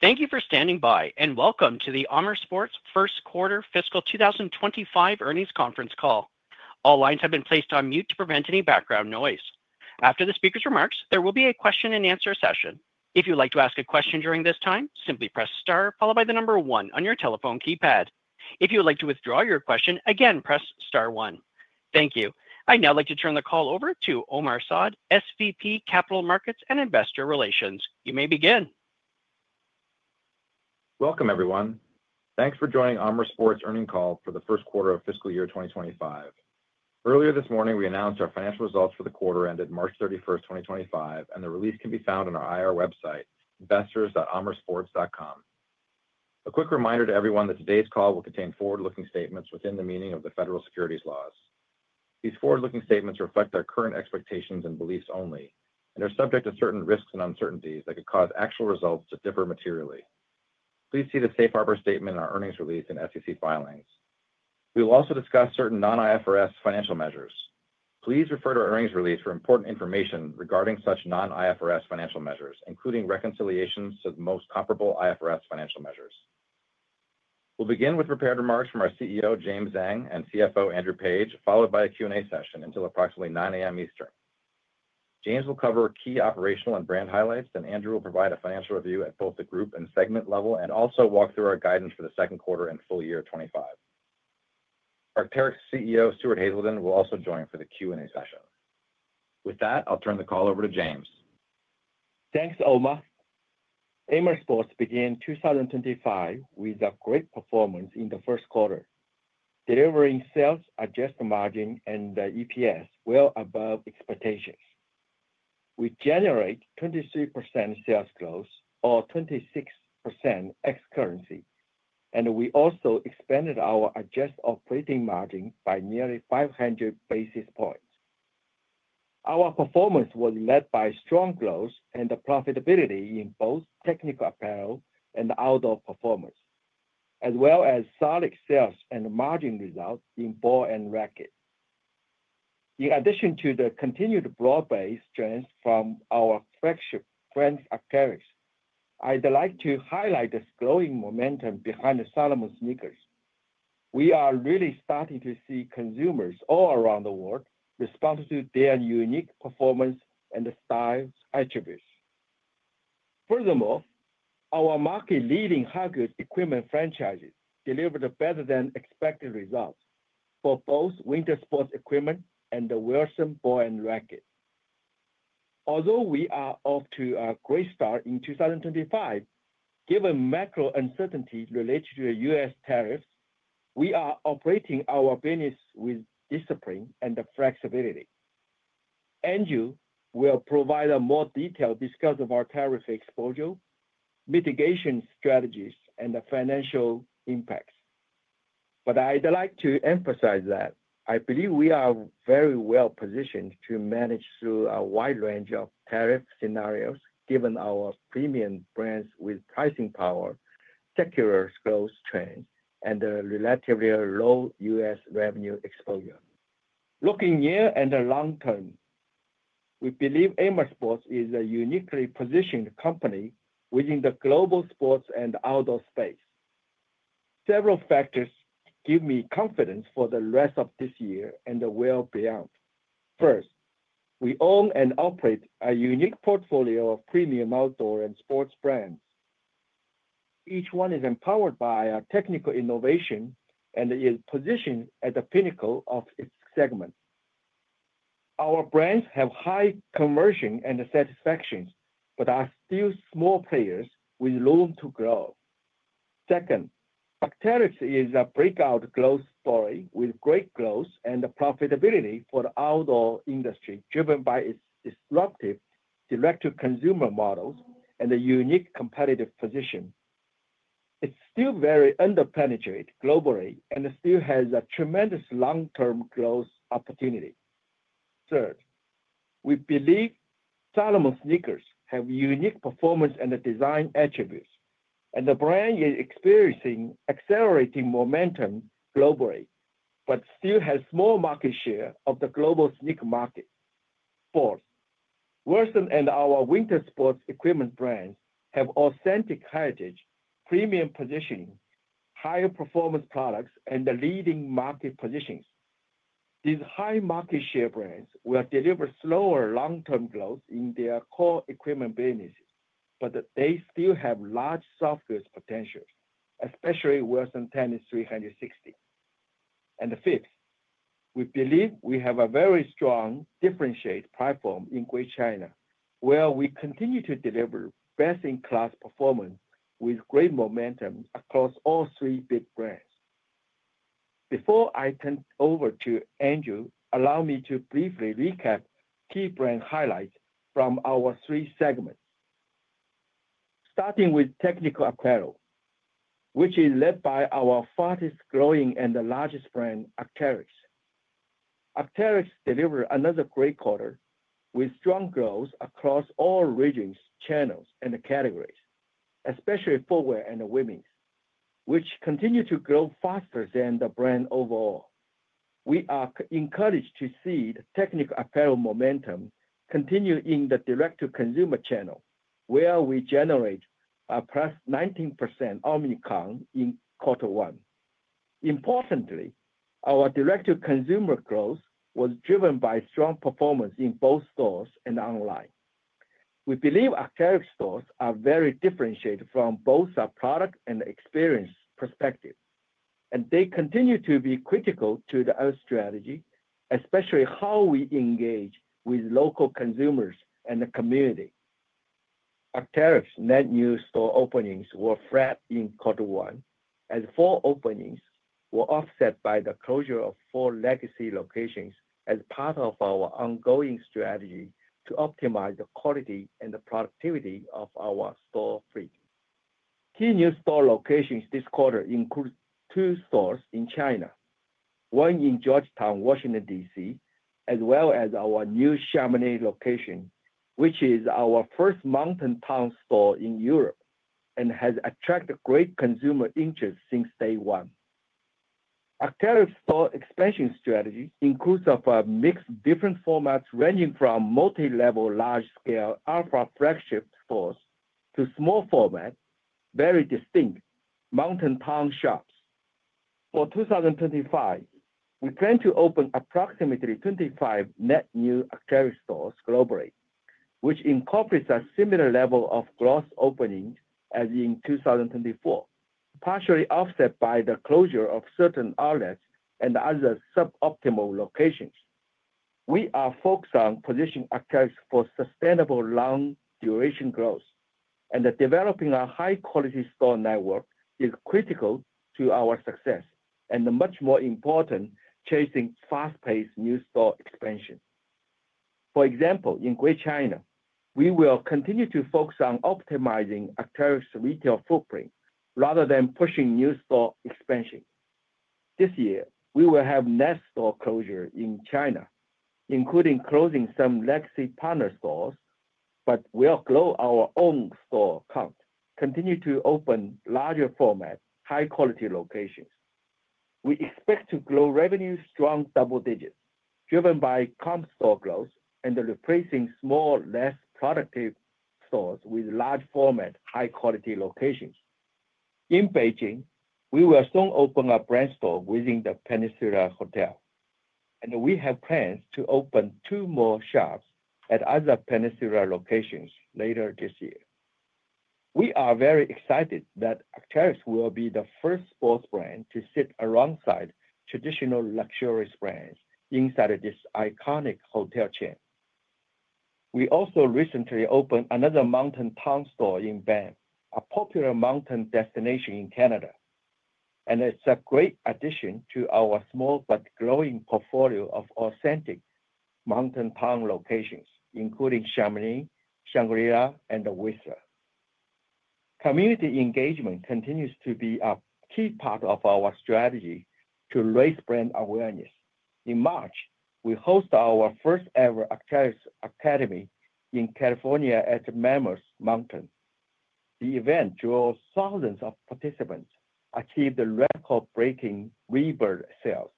Thank you for standing by, and welcome to the Amer Sports Q1 Fiscal 2025 Earnings Conference call. All lines have been placed on mute to prevent any background noise. After the speaker's remarks, there will be a Q&A. If you'd like to ask a question during this time, simply press Star, followed by the number One on your telephone keypad. If you would like to withdraw your question, again, press Star One. Thank you. I'd now like to turn the call over to Omar Saad, SVP Capital Markets and Investor Relations. You may begin. Welcome, everyone. Thanks for joining Amer Sports' earnings call for the Q1 of fiscal year 2025. Earlier this morning, we announced our financial results for the quarter ended March 31st, 2025, and the release can be found on our IR website, investors.amersports.com. A quick reminder to everyone that today's call will contain forward-looking statements within the meaning of the federal securities laws. These forward-looking statements reflect our current expectations and beliefs only and are subject to certain risks and uncertainties that could cause actual results to differ materially. Please see the safe harbor statement in our earnings release and SEC filings. We will also discuss certain non-IFRS financial measures. Please refer to our earnings release for important information regarding such non-IFRS financial measures, including reconciliations to the most comparable IFRS financial measures. We'll begin with prepared remarks from our CEO, James Zheng, and CFO, Andrew Page, followed by a Q&A session until approximately 9:00 A.M. Eastern. James will cover key operational and brand highlights, and Andrew will provide a financial review at both the group and segment level and also walk through our guidance for the Q2 and full year 2025. Arc'teryx CEO, Stuart Haselden, will also join for the Q&A session. With that, I'll turn the call over to James Zheng. Thanks, Omar Saad. Amer Sports began 2025 with a great performance in the Q1, delivering sales, adjusted margin, and EPS well above expectations. We generated 23% sales growth or 26% ex-currency, and we also expanded our adjusted operating margin by nearly 500 basis points. Our performance was led by strong growth and profitability in both technical apparel and outdoor performance, as well as solid sales and margin results in ball and racket. In addition to the continued broad-based strength from our flagship brand, Arc'teryx, I'd like to highlight the growing momentum behind the Salomon sneakers. We are really starting to see consumers all around the world respond to their unique performance and style attributes. Furthermore, our market-leading high-grade equipment franchises delivered better-than-expected results for both winter sports equipment and the Wilson ball and racket. Although we are off to a great start in 2025, given macro uncertainty related to U.S. Tariffs, we are operating our business with discipline and flexibility. Andrew Page will provide a more detailed discussion of our tariff exposure, mitigation strategies, and the financial impacts. I would like to emphasize that I believe we are very well positioned to manage through a wide range of tariff scenarios, given our premium brands with pricing power, secular growth trends, and a relatively low U.S. revenue exposure. Looking near and Long-term, we believe Amer Sports is a uniquely positioned company within the global sports and outdoor space. Several factors give me confidence for the rest of this year and well beyond. First, we own and operate a unique portfolio of premium outdoor and sports brands. Each one is empowered by our technical innovation and is positioned at the pinnacle of its segment. Our brands have high conversion and satisfaction, but are still small players with room to grow. Second, Arc'teryx is a breakout growth story with great growth and profitability for the outdoor industry, driven by its disruptive direct-to-consumer models and a unique competitive position. It's still very underpenetrated globally and still has a tremendous long-term growth opportunity. Third, we believe Salomon sneakers have unique performance and design attributes, and the brand is experiencing accelerating momentum globally, but still has a small market share of the global sneaker market. Fourth, Wilson and our winter sports equipment brands have authentic heritage, premium positioning, higher performance products, and leading market positions. These high-market share brands will deliver slower long-term growth in their core equipment businesses, but they still have large software potentials, especially Wilson Tennis 360. Fifth, we believe we have a very strong differentiated platform in Greater China, where we continue to deliver best-in-class performance with great momentum across all three big brands. Before I turn over to Andrew Page, allow me to briefly recap key brand highlights from our three segments. Starting with technical apparel, which is led by our fastest-growing and largest brand, Arc'teryx. Arc'teryx delivers another great quarter with strong growth across all regions, channels, and categories, especially for women and women, which continue to grow faster than the brand overall. We are encouraged to see the technical apparel momentum continue in the direct-to-consumer channel, where we generate a plus 19% omnicomp in Q1. Importantly, our direct-to-consumer growth was driven by strong performance in both stores and online. We believe Arc'teryx stores are very differentiated from both our product and experience perspectives, and they continue to be critical to our strategy, especially how we engage with local consumers and the community. Arc'teryx net new store openings were flat in Q1, as four openings were offset by the closure of four legacy locations as part of our ongoing strategy to optimize the quality and the productivity of our store fleet. Key new store locations this quarter include two stores in China, one in Georgetown, Washington, D.C., as well as our new Chamonix location, which is our first mountain town store in Europe and has attracted great consumer interest since day one. Arc'teryx store expansion strategy includes a mix of different formats ranging from multi-level, large-scale alpha flagship stores to small format, very distinct mountain town shops. For 2025, we plan to open approximately 25 net new Arc'teryx stores globally, which incorporates a similar level of gross openings as in 2024, partially offset by the closure of certain outlets and other sub-optimal locations. We are focused on positioning Arc'teryx for sustainable long-duration growth, and developing a high-quality store network is critical to our success, and much more importantly, chasing fast-paced new store expansion. For example, in Greater China, we will continue to focus on optimizing Arc'teryx retail footprint rather than pushing new store expansion. This year, we will have net store closure in China, including closing some legacy partner stores, but we'll grow our own store count, continue to open larger format, high-quality locations. We expect to grow revenue strong double-digits, driven by comp store growth and replacing small, less productive stores with large format, high-quality locations. In Beijing, we will soon open a brand store within the Peninsula Hotel, and we have plans to open two more shops at other Peninsula locations later this year. We are very excited that Arc'teryx will be the first sports brand to sit alongside traditional luxurious brands inside this iconic hotel chain. We also recently opened another mountain town store in Banff, a popular mountain destination in Canada, and it's a great addition to our small but growing portfolio of authentic mountain town locations, including Chamonix, Shangri-La, and Whistler. Community engagement continues to be a key part of our strategy to raise brand awareness. In March, we hosted our first-ever Arc'teryx Academy in California at Mammoth Mountain. The event drew thousands of participants, achieved record-breaking rebirth sales,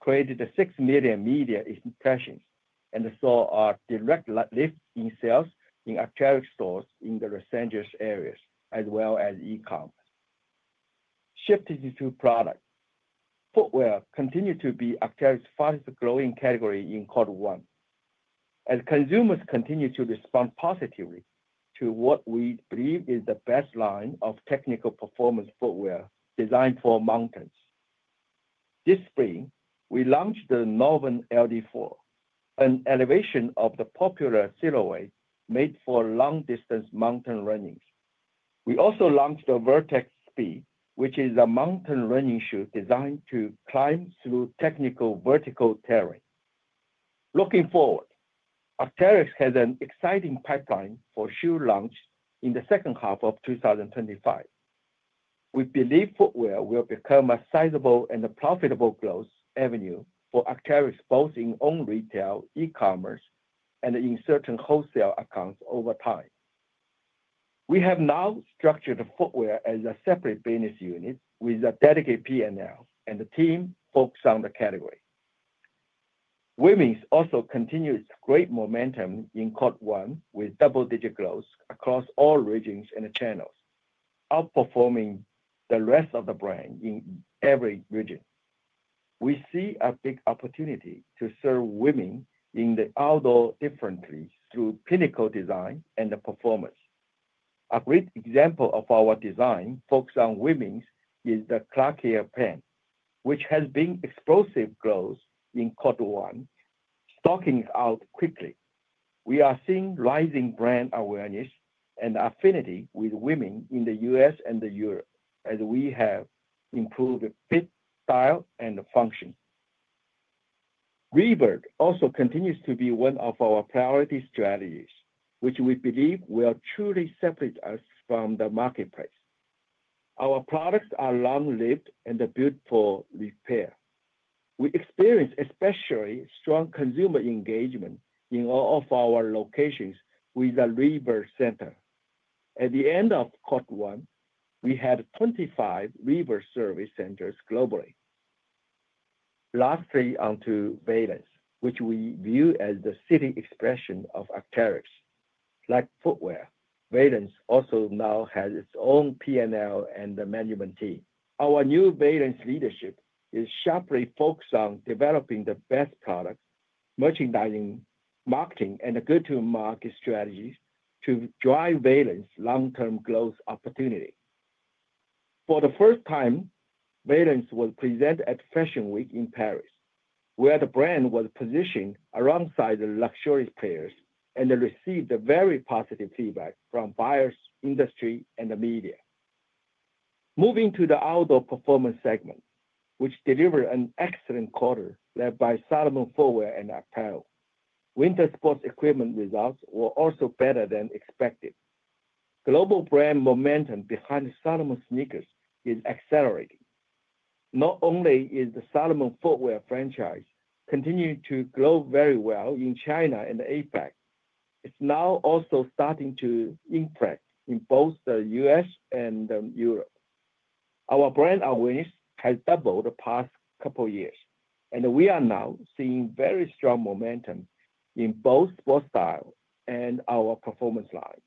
created 6 million media impressions, and saw a direct lift in sales in Arc'teryx stores in the Los Angeles areas, as well as e-commerce. Shifting to product, footwear continues to be Arc'teryx's fastest-growing category in Q1, as consumers continue to respond positively to what we believe is the best line of technical performance footwear designed for mountains. This spring, we launched the Norvan LD4, an elevation of the popular silhouette made for long-distance mountain running. We also launched the Vertex Speed, which is a mountain running shoe designed to climb through technical vertical terrain. Looking forward, Arc'teryx has an exciting pipeline for shoe launch in the second half of 2025. We believe footwear will become a sizable and profitable growth avenue for Arc'teryx both in own retail, e-commerce, and in certain wholesale accounts over time. We have now structured footwear as a separate business unit with a dedicated P&L and a team focused on the category. Women's also continues great momentum in Q1 with double-digit growth across all regions and channels, outperforming the rest of the brand in every region. We see a big opportunity to serve women in the outdoor differently through pinnacle design and performance. A great example of our design focused on women is the Clarkia pant, which has seen explosive growth in Q1, stocking out quickly. We are seeing rising brand awareness and affinity with women in the U.S. and Europe as we have improved fit, style, and function. ReBIRD also continues to be one of our priority strategies, which we believe will truly separate us from the market-price. Our products are long-lived and built for repair. We experience especially strong consumer engagement in all of our locations with a ReBIRD center. At the end of Q1, we had 25 ReBIRD service centers globally. Lastly, onto Veilance, which we view as the city expression of Arc'teryx. Like footwear, Veilance also now has its own P&L and management team. Our new Veilance leadership is sharply focused on developing the best products, merchandising, marketing, and go-to-market strategies to drive Veilance's long-term growth opportunity. For the first time, Veilance was presented at Fashion Week in Paris, where the brand was positioned alongside the luxurious players and received very positive feedback from buyers, industry, and the media. Moving to the outdoor performance segment, which delivered an excellent quarter led by Salomon footwear and apparel, winter sports equipment results were also better than expected. Global brand momentum behind Salomon sneakers is accelerating. Not only is the Salomon footwear franchise continuing to grow very well in China and APAC, it's now also starting to impress in both the U.S. and Europe. Our brand awareness has doubled the past couple of years, and we are now seeing very strong momentum in both sports style and our performance lines.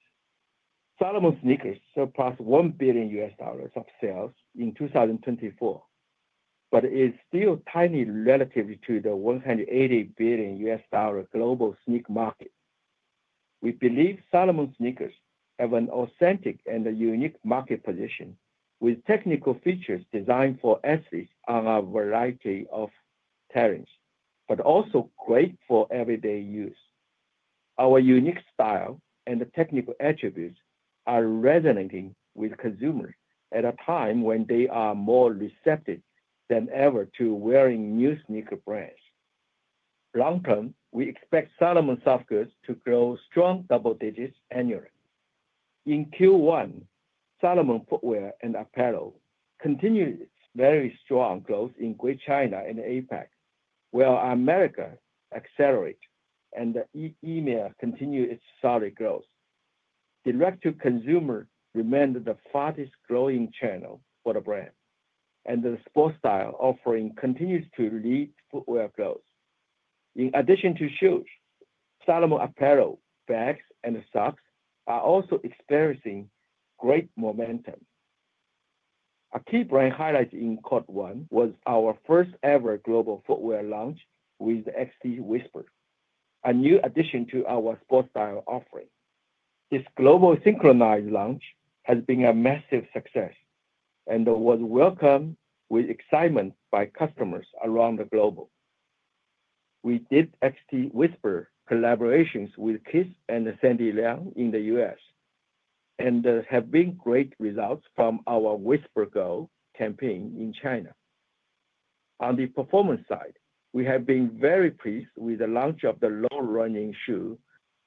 Salomon sneakers surpassed $1 billion of sales in 2024, but it's still tiny relative to the $180 billion global sneaker market. We believe Salomon sneakers have an authentic and unique market position with technical features designed for athletes on a variety of terrains, but also great for everyday use. Our unique style and technical attributes are resonating with consumers at a time when they are more receptive than ever to wearing new sneaker brands. Long-term, we expect Salomon soft goods to grow strong double-digits annually. In Q1, Salomon footwear and apparel continues very strong growth in Greater China and APAC, while Americas accelerates and AMEA continues its solid growth. Direct-to-consumer remained the fastest-growing channel for the brand, and the sports style offering continues to lead footwear growth. In addition to shoes, Salomon apparel, bags, and socks are also experiencing great momentum. A key brand highlight in Q1 was our first-ever global footwear launch with XT-WHISPER, a new addition to our sports style offering. This global synchronized launch has been a massive success and was welcomed with excitement by customers around the globe. We did XT-WHISPER collaborations with Kith and Sandy Liang in the U.S. and have seen great results from our Whisper Go campaign in China. On the performance side, we have been very pleased with the launch of the low-running shoe,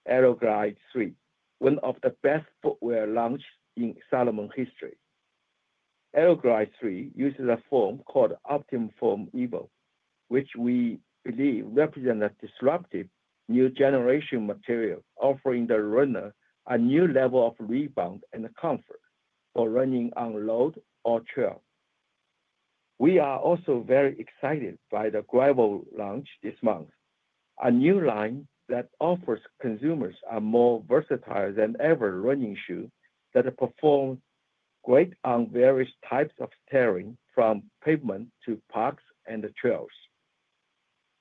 Aero Glide 3, one of the best footwear launches in Salomon history. Aero Glide 3 uses a foam called Optim Foam Evo, which we believe represents a disruptive new generation material offering the runner a new level of rebound and comfort for running on load or trail. We are also very excited by the Gravel launch this month, a new line that offers consumers a more versatile than ever running shoe that performs great on various types of terrain from pavement to parks and trails.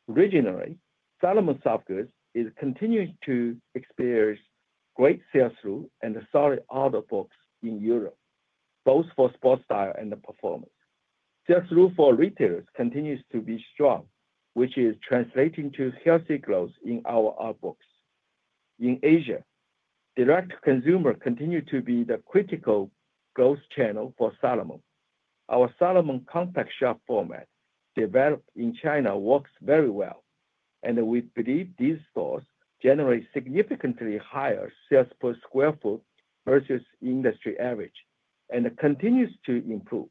Regionally, Salomon soft goods is continuing to experience great sales through and solid out of books in Europe, both for sports style and performance. Sales through for retailers continues to be strong, which is translating to healthy growth in our out of books. In Asia, direct-to-consumer continues to be the critical growth channel for Salomon. Our Salomon compact shop format developed in China works very well, and we believe these stores generate significantly higher sales per sq ft versus industry average and continues to improve.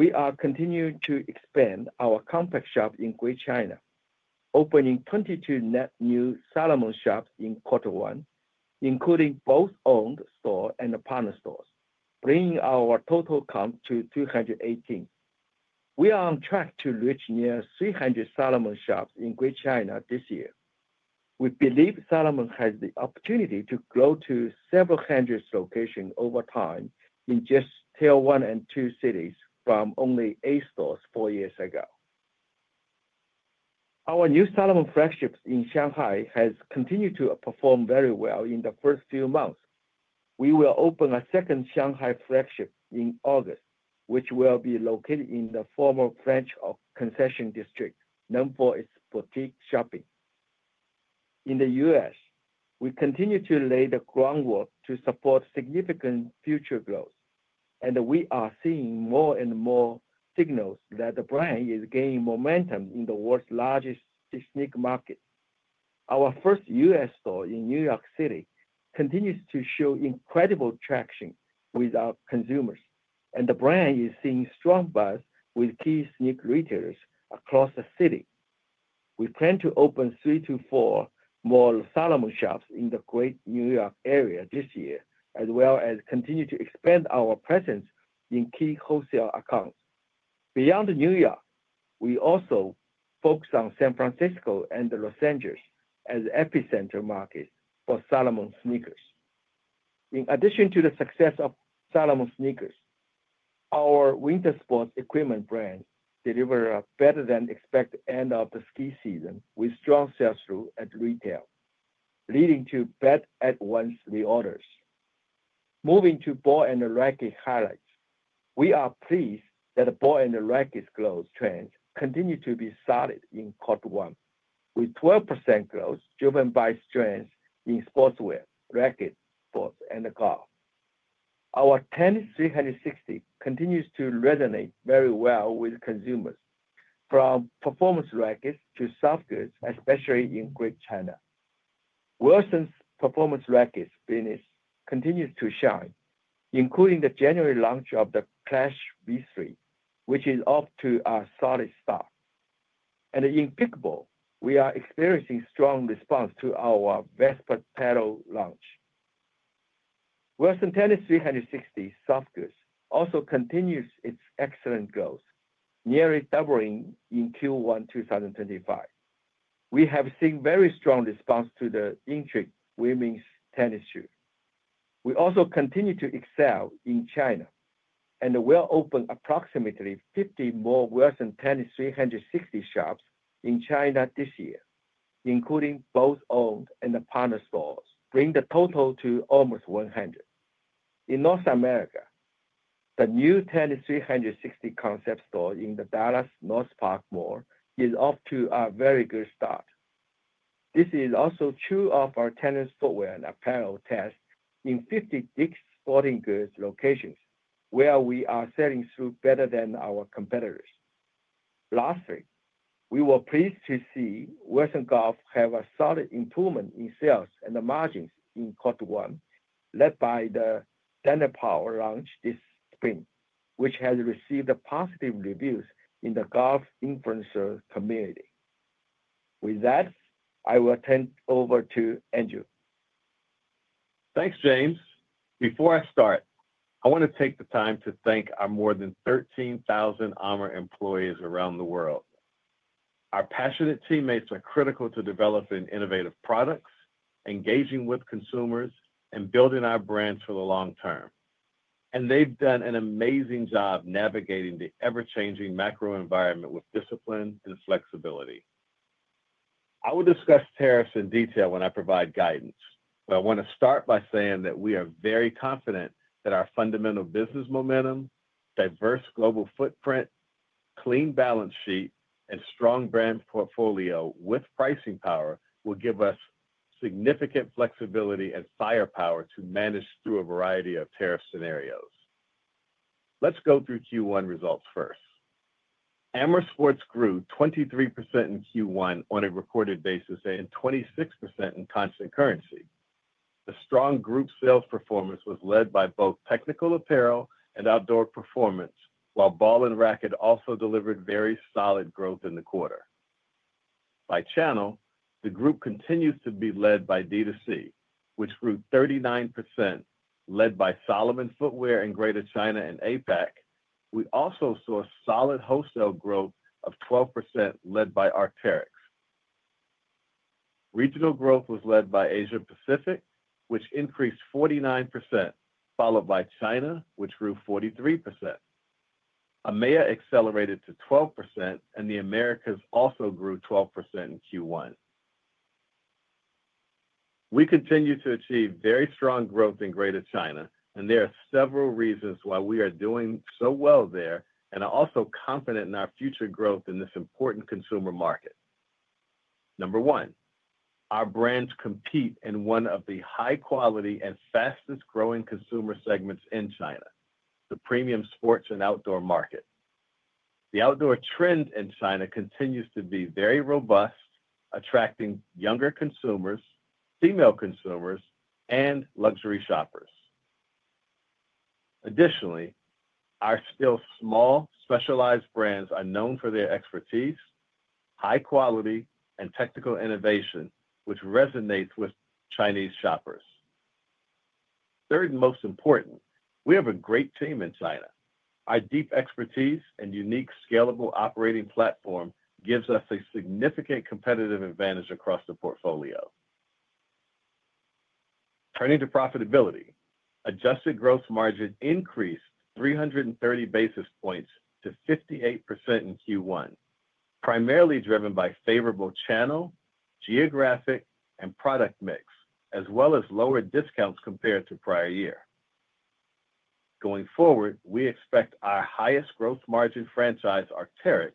We are continuing to expand our compact shop in Greater China, opening 22 net new Salomon shops in Q1, including both owned stores and partner stores, bringing our total count to 218. We are on track to reach near 300 Salomon shops in Greater China this year. We believe Salomon has the opportunity to grow to several hundred locations over time in just Tier I and II cities from only eight stores four years ago. Our new Salomon flagships in Shanghai have continued to perform very well in the first few months. We will open a second Shanghai flagship in August, which will be located in the former French Concession District, known for its boutique shopping. In the U.S., we continue to lay the groundwork to support significant future growth, and we are seeing more and more signals that the brand is gaining momentum in the world's largest sneaker market. Our first U.S. store in New York City continues to show incredible traction with our consumers, and the brand is seeing strong buzz with key sneaker retailers across the city. We plan to open three to four more Salomon shops in the greater New York area this year, as well as continue to expand our presence in key wholesale accounts. Beyond New York, we also focus on San Francisco and Los Angeles as epicenter markets for Salomon sneakers. In addition to the success of Salomon sneakers, our winter sports equipment brands deliver a better-than-expected end of the ski season with strong sales through at retail, leading to better-at-once re-orders. Moving to ball and racket highlights, we are pleased that the ball and racket growth trends continue to be solid in Q1, with 12% growth driven by strengths in sportswear, racket sports, and golf. Our Tennis 360 continues to resonate very well with consumers, from performance rackets to soft goods, especially in Greater China. Wilson's performance rackets, Venice, continue to shine, including the January launch of the Clash V3, which is off to a solid start. In pickleball, we are experiencing strong response to our Vesper paddle launch. Wilson Tennis 360 soft goods also continues its excellent growth, nearly doubling in Q1 2025. We have seen very strong response to the Intrigue women's tennis shoe. We also continue to excel in China, and we'll open approximately 50 more Wilson Tennis 360 shops in China this year, including both owned and partner stores, bringing the total to almost 100. In North America, the new Tennis 360 concept store in the Dallas North Park Mall is off to a very good start. This is also true of our tennis footwear and apparel test in 50 Dick's Sporting Goods locations, where we are selling through better than our competitors. Lastly, we were pleased to see Wilson Golf have a solid improvement in sales and the margins in Q1, led by the Dana Powell launch this spring, which has received positive reviews in the golf influencer community. With that, I will turn it over to Andrew Page. Thanks, James Zheng. Before I start, I want to take the time to thank our more than 13,000 Amer Sports employees around the world. Our passionate teammates are critical to developing innovative products, engaging with consumers, and building our brands for the Long-term. They've done an amazing job navigating the ever-changing macro environment with discipline and flexibility. I will discuss tariffs in detail when I provide guidance, but I want to start by saying that we are very confident that our fundamental business momentum, diverse global footprint, clean balance sheet, and strong brand portfolio with pricing power will give us significant flexibility and firepower to manage through a variety of tariff scenarios. Let's go through Q1 results first. Amer Sports grew 23% in Q1 on a reported basis and 26% in constant currency. The strong group sales performance was led by both technical apparel and outdoor performance, while ball and racket also delivered very solid growth in the quarter. By channel, the group continues to be led by DTC, which grew 39%, led by Salomon footwear in Greater China and APAC. We also saw solid wholesale growth of 12%, led by Arc'teryx. Regional growth was led by Asia Pacific, which increased 49%, followed by China, which grew 43%. AMEA accelerated to 12%, and the Americas also grew 12% in Q1. We continue to achieve very strong growth in Greater China, and there are several reasons why we are doing so well there and are also confident in our future growth in this important consumer market. Number one, our brands compete in one of the high-quality and fastest-growing consumer segments in China, the premium sports and outdoor market. The outdoor trend in China continues to be very robust, attracting younger consumers, female consumers, and luxury shoppers. Additionally, our still small specialized brands are known for their expertise, high quality, and technical innovation, which resonates with Chinese shoppers. Third and most important, we have a great team in China. Our deep expertise and unique scalable operating platform gives us a significant competitive advantage across the portfolio. Turning to profitability, adjusted gross margin increased 330 basis points to 58% in Q1, primarily driven by favorable channel, geographic, and product mix, as well as lower discounts compared to prior year. Going forward, we expect our highest gross margin franchise, Arc'teryx,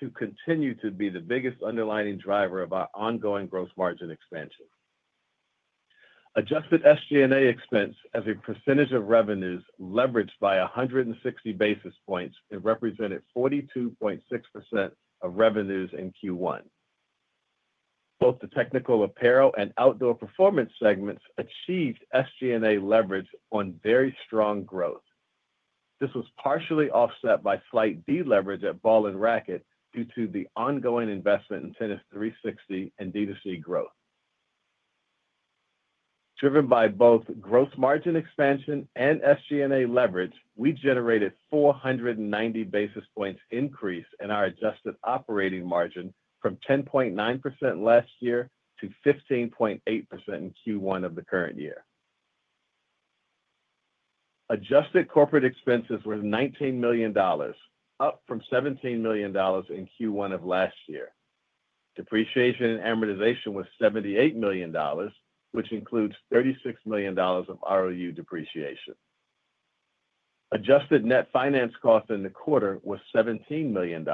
to continue to be the biggest underlining driver of our ongoing gross margin expansion. Adjusted SG&A expense as a percentage of revenues leveraged by 160 basis points represented 42.6% of revenues in Q1. Both the technical apparel and outdoor performance segments achieved SG&A leverage on very strong growth. This was partially offset by slight deleverage at ball and racket due to the ongoing investment in Tennis 360 and DTC growth. Driven by both gross margin expansion and SG&A leverage, we generated 490 basis points increase in our adjusted operating margin from 10.9% last year to 15.8% in Q1 of the current year. Adjusted corporate expenses were $19 million, up from $17 million in Q1 of last year. Depreciation and amortization was $78 million, which includes $36 million of ROU depreciation. Adjusted net finance cost in the quarter was $17 million,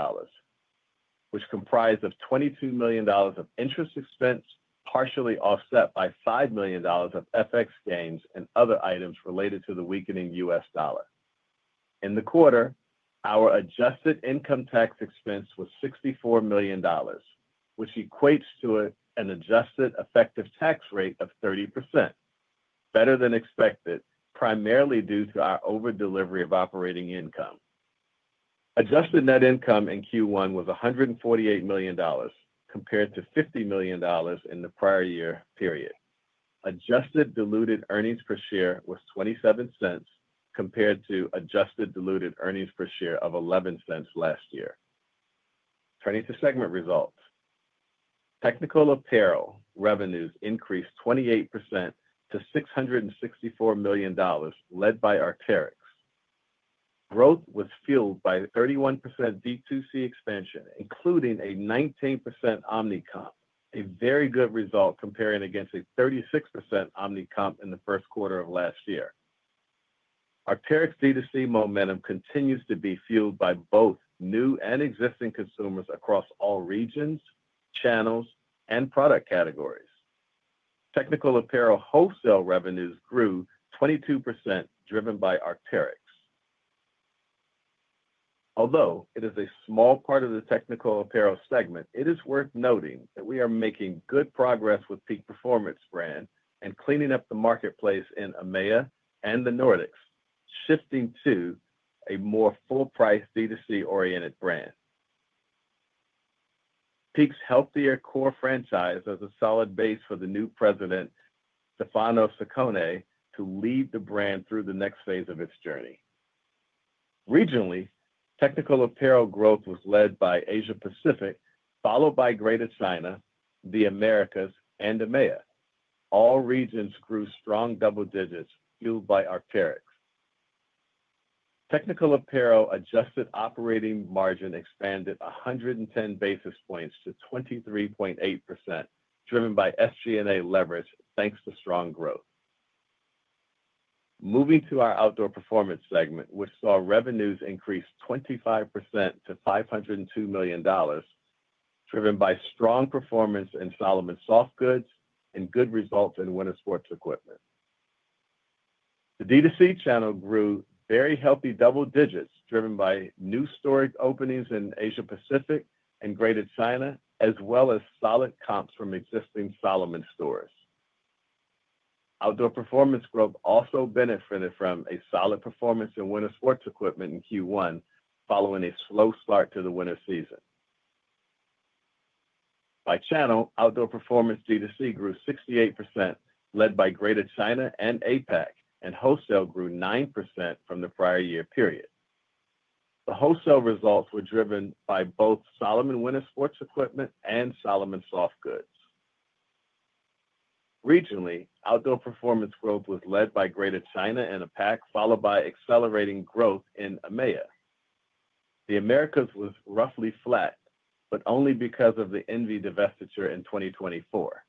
which comprised $22 million of interest expense, partially offset by $5 million of FX gains and other items related to the weakening U.S. dollar. In the quarter, our adjusted income tax expense was $64 million, which equates to an adjusted effective tax rate of 30%, better than expected, primarily due to our overdelivery of operating income. Adjusted net income in Q1 was $148 million compared to $50 million in the prior year period. Adjusted diluted earnings per share was $0.27 compared to adjusted diluted earnings per share of $0.11 last year. Turning to segment results, technical apparel revenues increased 28% to $664 million, led by Arc'teryx. Growth was fueled by 31% DTC expansion, including a 19% omnicomp, a very good result comparing against a 36% omnicomp in the Q1 of last year. Arc'teryx DTC momentum continues to be fueled by both new and existing consumers across all regions, channels, and product categories. Technical apparel wholesale revenues grew 22%, driven by Arc'teryx. Although it is a small part of the technical apparel segment, it is worth noting that we are making good progress with Peak Performance and cleaning up the marketplace in AMEA and the Nordics, shifting to a more full-price DTC oriented brand. Peak's healthier core franchise has a solid base for the new President, Stefano Saccone, to lead the brand through the next phase of its journey. Regionally, technical apparel growth was led by Asia Pacific, followed by Greater China, the Americas, and AMEA. All regions grew strong double-digits, fueled by Arc'teryx. Technical apparel adjusted operating margin expanded 110 basis points to 23.8%, driven by SG&A leverage, thanks to strong growth. Moving to our outdoor performance segment, which saw revenues increase 25% to $502 million, driven by strong performance in Salomon Soft Goods and good results in Winter Sports Equipment. The DTC channel grew very healthy double-digits, driven by new store openings in Asia Pacific and Greater China, as well as solid comps from existing Salomon stores. Outdoor performance growth also benefited from a solid performance in Winter Sports Equipment in Q1, following a slow start to the winter season. By channel, outdoor performance DTC grew 68%, led by Greater China and APAC, and wholesale grew 9% from the prior year period. The wholesale results were driven by both Salomon Winter Sports Equipment and Salomon Soft Goods. Regionally, outdoor performance growth was led by Greater China and APAC, followed by accelerating growth in AMEA. The Americas was roughly flat, but only because of the Envy divestiture in 2024.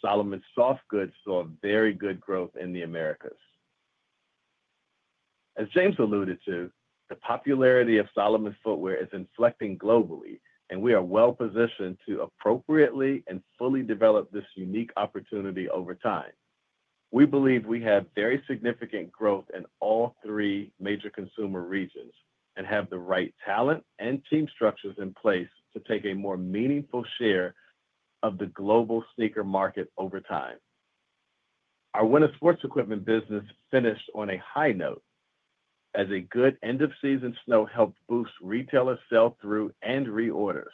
Salomon Soft Goods saw very good growth in the Americas. As James Zheng alluded to, the popularity of Salomon footwear is inflecting globally, and we are well positioned to appropriately and fully develop this unique opportunity over time. We believe we have very significant growth in all three major consumer regions and have the right talent and team structures in place to take a more meaningful share of the global sneaker market over time. Our winter sports equipment business finished on a high note as a good end-of-season snow helped boost retailers' sell-through and reorders.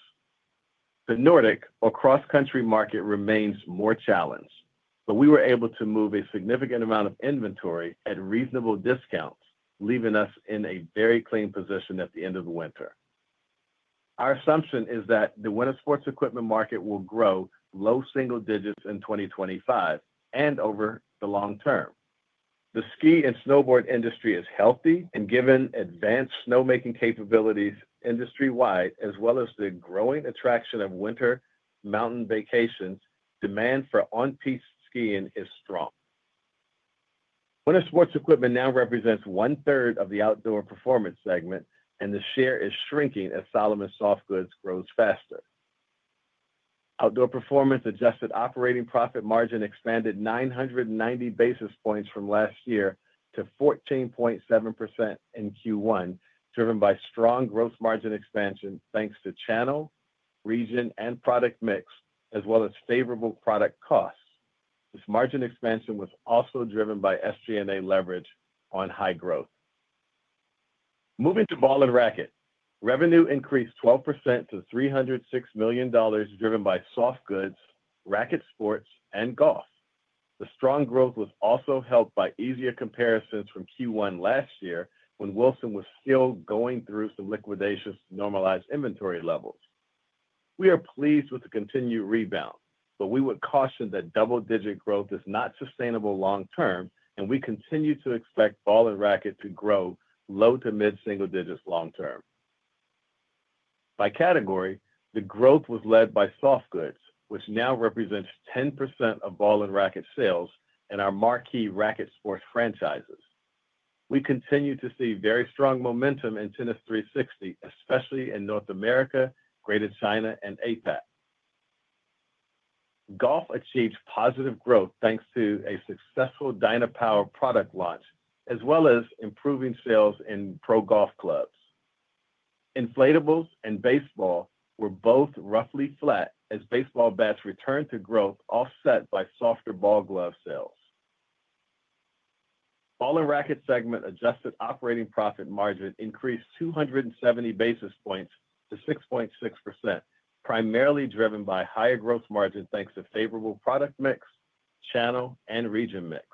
The Nordic, or cross-country market, remains more challenged, but we were able to move a significant amount of inventory at reasonable discounts, leaving us in a very clean position at the end of the winter. Our assumption is that the winter sports equipment market will grow low-single-digits in 2025 and over the long-term. The ski and snowboard industry is healthy and, given advanced snowmaking capabilities industry-wide, as well as the growing attraction of winter mountain vacations, demand for on-piste skiing is strong. Winter sports equipment now represents 1/3 of the outdoor performance segment, and the share is shrinking as Salomon Soft Goods grows faster. Outdoor performance adjusted operating profit margin expanded 990 basis points from last year to 14.7% in Q1, driven by strong gross margin expansion thanks to channel, region, and product mix, as well as favorable product costs. This margin expansion was also driven by SG&A leverage on high growth. Moving to ball and racket, revenue increased 12% to $306 million, driven by soft goods, racket sports, and golf. The strong growth was also helped by easier comparisons from Q1 last year when Wilson was still going through some liquidations to normalize inventory levels. We are pleased with the continued rebound, but we would caution that double-digit growth is not sustainable long-term, and we continue to expect ball and racket to grow low to mid-single-digits long-term. By category, the growth was led by soft goods, which now represents 10% of ball and racket sales in our marquee racket sports franchises. We continue to see very strong momentum in Tennis 360, especially in North America, Greater China, and APAC. Golf achieved positive growth thanks to a successful Dana Powell product launch, as well as improving sales in pro golf clubs. Inflatables and baseball were both roughly flat as baseball bats returned to growth, offset by softer ball glove sales. Ball and racket segment adjusted operating profit margin increased 270 basis points to 6.6%, primarily driven by higher gross margin thanks to favorable product mix, channel, and region mix.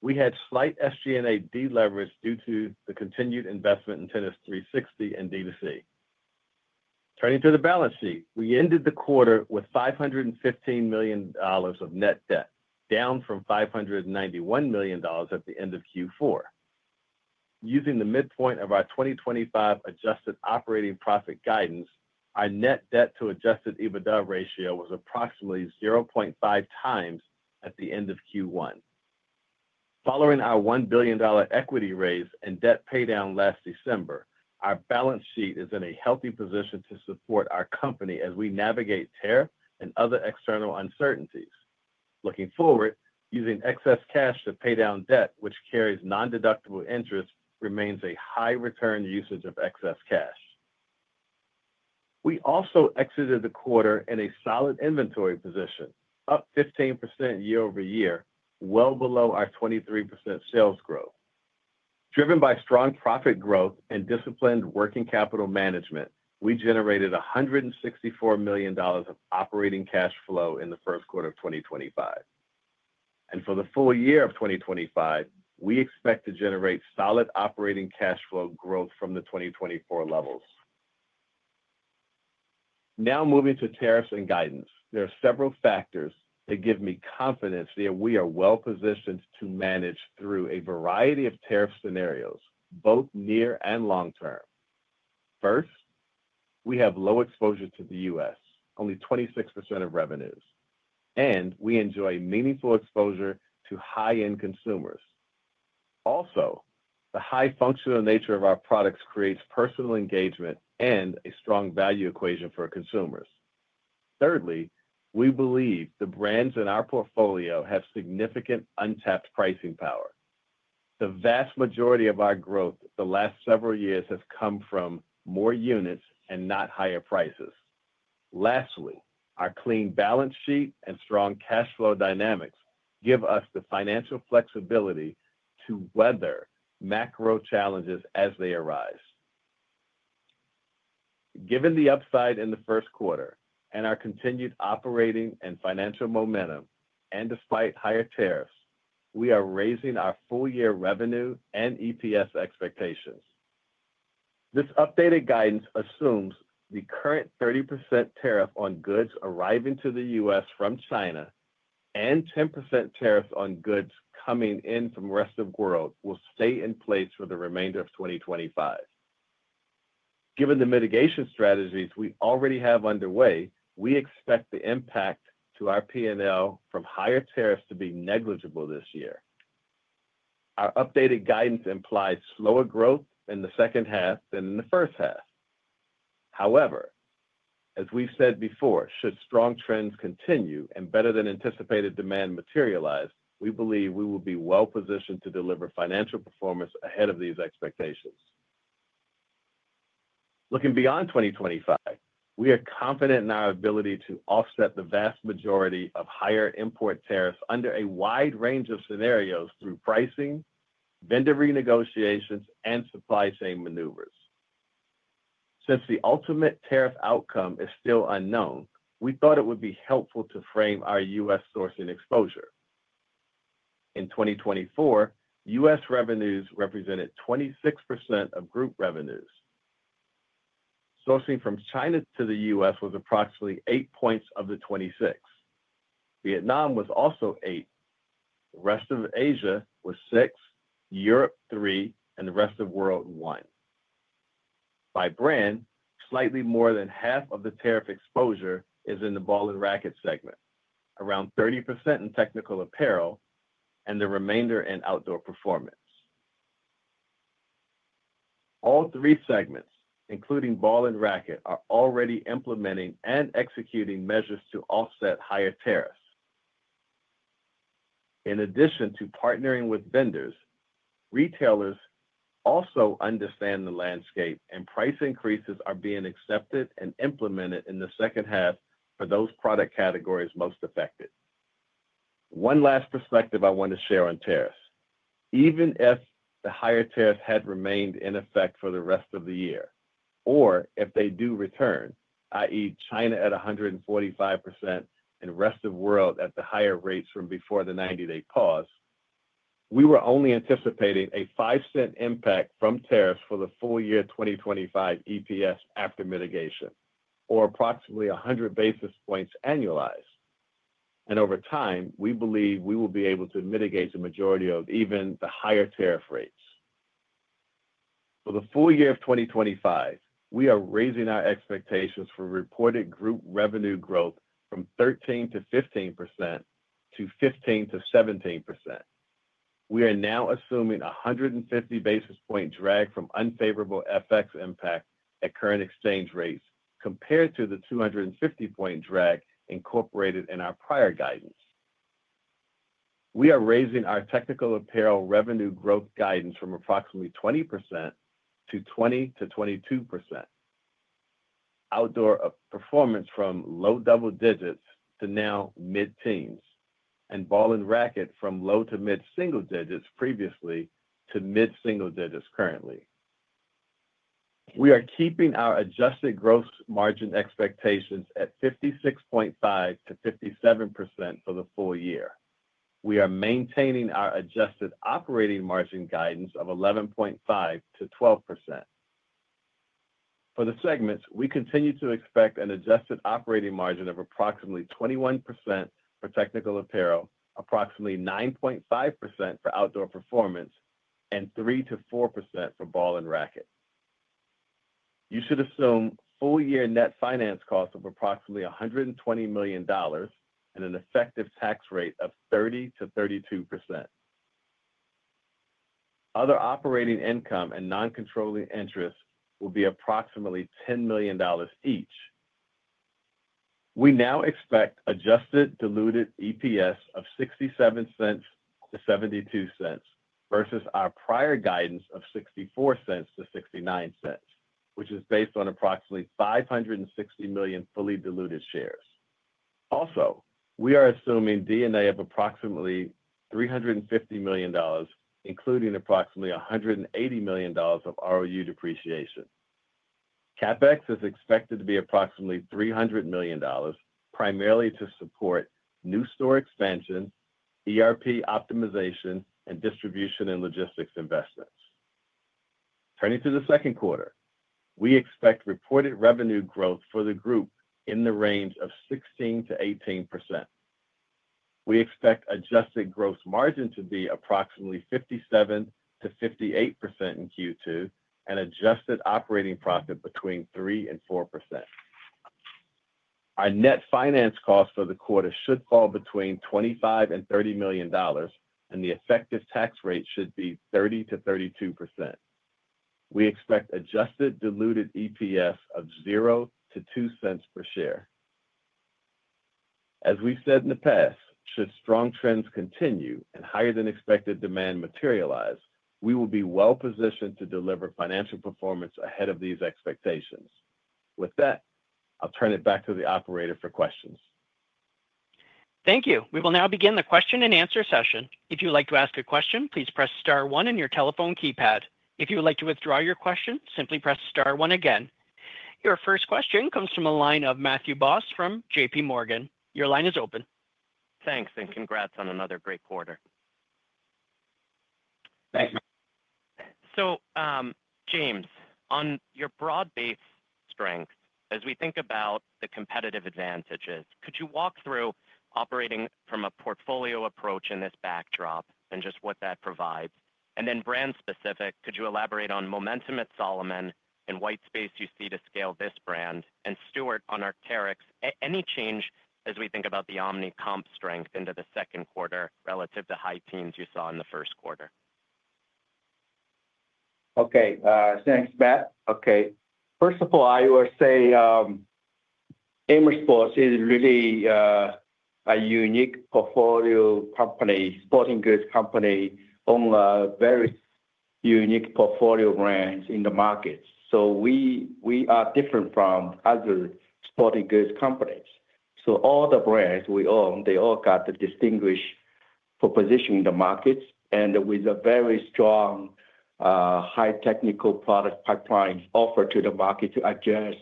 We had slight SG&A deleverage due to the continued investment in Tennis 360 and DTC. Turning to the balance sheet, we ended the quarter with $515 million of net debt, down from $591 million at the end of Q4. Using the mid-point of our 2025 adjusted operating profit guidance, our net debt to Adjusted EBITDA ratio was approximately 0.5 times at the end of Q1. Following our $1 billion equity raise and debt paydown last December, our balance sheet is in a healthy position to support our company as we navigate terror and other external uncertainties. Looking forward, using excess cash to pay down debt, which carries non-deductible interest, remains a high-return usage of excess cash. We also exited the quarter in a solid inventory position, up 15% year-over-year, well below our 23% sales growth. Driven by strong profit growth and disciplined working capital management, we generated $164 million of operating cash flow in the Q1 of 2025. For the full year of 2025, we expect to generate solid operating cash flow growth from the 2024 levels. Now moving to tariffs and guidance, there are several factors that give me confidence that we are well positioned to manage through a variety of tariff scenarios, both near and long-term. First, we have low exposure to the U.S., only 26% of revenues, and we enjoy meaningful exposure to high-end consumers. Also, the high functional nature of our products creates personal engagement and a strong value equation for consumers. Thirdly, we believe the brands in our portfolio have significant untapped pricing power. The vast majority of our growth the last several years has come from more units and not higher prices. Lastly, our clean balance sheet and strong cash flow dynamics give us the financial flexibility to weather macro challenges as they arise. Given the upside in the Q1 and our continued operating and financial momentum, and despite higher tariffs, we are raising our full-year revenue and EPS expectations. This updated guidance assumes the current 30% tariff on goods arriving to the U.S. from China and 10% tariffs on goods coming in from the rest of the world will stay in place for the remainder of 2025. Given the mitigation strategies we already have underway, we expect the impact to our P&L from higher tariffs to be negligible this year. Our updated guidance implies slower growth in the second-half than in the first-half. However, as we've said before, should strong trends continue and better-than-anticipated demand materialize, we believe we will be well positioned to deliver financial performance ahead of these expectations. Looking beyond 2025, we are confident in our ability to offset the vast majority of higher import tariffs under a wide range of scenarios through pricing, vendor renegotiations, and supply chain maneuvers. Since the ultimate tariff outcome is still unknown, we thought it would be helpful to frame our U.S. sourcing exposure. In 2024, U.S. revenues represented 26% of group revenues. Sourcing from China to the U.S. was approximately 8 points of the 26. Vietnam was also 8. The rest of Asia was 6, Europe 3, and the rest of the world 1. By brand, slightly more than half of the tariff exposure is in the ball and racket segment, around 30% in technical apparel and the remainder in outdoor performance. All three segments, including ball and racket, are already implementing and executing measures to offset higher tariffs. In addition to partnering with vendors, retailers also understand the landscape and price increases are being accepted and implemented in the second-half for those product categories most affected. One last perspective I want to share on tariffs. Even if the higher tariffs had remained in effect for the rest of the year, or if they do return, i.e., China at 145% and the rest of the world at the higher rates from before the 90-day pause, we were only anticipating a 5% impact from tariffs for the full year 2025 EPS after mitigation, or approximately 100 basis points annualized. Over time, we believe we will be able to mitigate the majority of even the higher tariff rates. For the full year of 2025, we are raising our expectations for reported group revenue growth from 13%-15% to 15%-17%. We are now assuming a 150 basis point drag from unfavorable FX impact at current exchange rates compared to the 250 basis point drag incorporated in our prior guidance. We are raising our technical apparel revenue growth guidance from approximately 20% to 20%-22%. Outdoor performance from low-double-digits to now mid-teens, and ball and racket from low to mid-single-digits previously to mid-single-digits currently. We are keeping our adjusted gross margin expectations at 56.5%-57% for the full year. We are maintaining our adjusted operating margin guidance of 11.5%-12%. For the segments, we continue to expect an adjusted operating margin of approximately 21% for technical apparel, approximately 9.5% for outdoor performance, and 3%-4% for ball and racket. You should assume full-year net finance costs of approximately $120 million and an effective tax rate of 30%-32%. Other operating income and non-controlling interest will be approximately $10 million each. We now expect adjusted diluted EPS of $0.67-$0.72 versus our prior guidance of $0.64-$0.69, which is based on approximately 560 million fully diluted shares. Also, we are assuming D&A of approximately $350 million, including approximately $180 million of ROU depreciation. CapEx is expected to be approximately $300 million, primarily to support new store expansion, ERP optimization, and distribution and logistics investments. Turning to the Q2, we expect reported revenue growth for the group in the range of 16%-18%. We expect adjusted gross margin to be approximately 57%-58% in Q2 and adjusted operating profit between 3%-4%. Our net finance costs for the quarter should fall between $25 million and $30 million, and the effective tax rate should be 30%-32%. We expect adjusted diluted EPS of 0%-2% per share. As we've said in the past, should strong trends continue and higher-than-expected demand materialize, we will be well positioned to deliver financial performance ahead of these expectations. With that, I'll turn it back to the operator for questions. Thank you. We will now begin the Q&A. If you'd like to ask a question, please press star one on your telephone keypad. If you would like to withdraw your question, simply press star one again. Your first question comes from a line of Matthew Boss from JPMorgan. Your line is open. Thanks, and congrats on another great quarter. James Zheng, on your broad-based strengths, as we think about the competitive advantages, could you walk through operating from a portfolio approach in this backdrop and just what that provides? Could you elaborate on momentum at Salomon and white space you see to scale this brand? And Stuart Haselden on Arc'teryx, any change as we think about the omnicomp strength into the Q2 relative to high teens you saw in the Q1? Okay, thanks, Matthew Boss. Okay, first of all, I will say Amer Sports is really a unique portfolio company, sporting goods company on a very unique portfolio of brands in the market. We are different from other sporting goods companies. All the brands we own, they all got the distinguished proposition in the markets and with a very strong high technical product pipeline offered to the market to address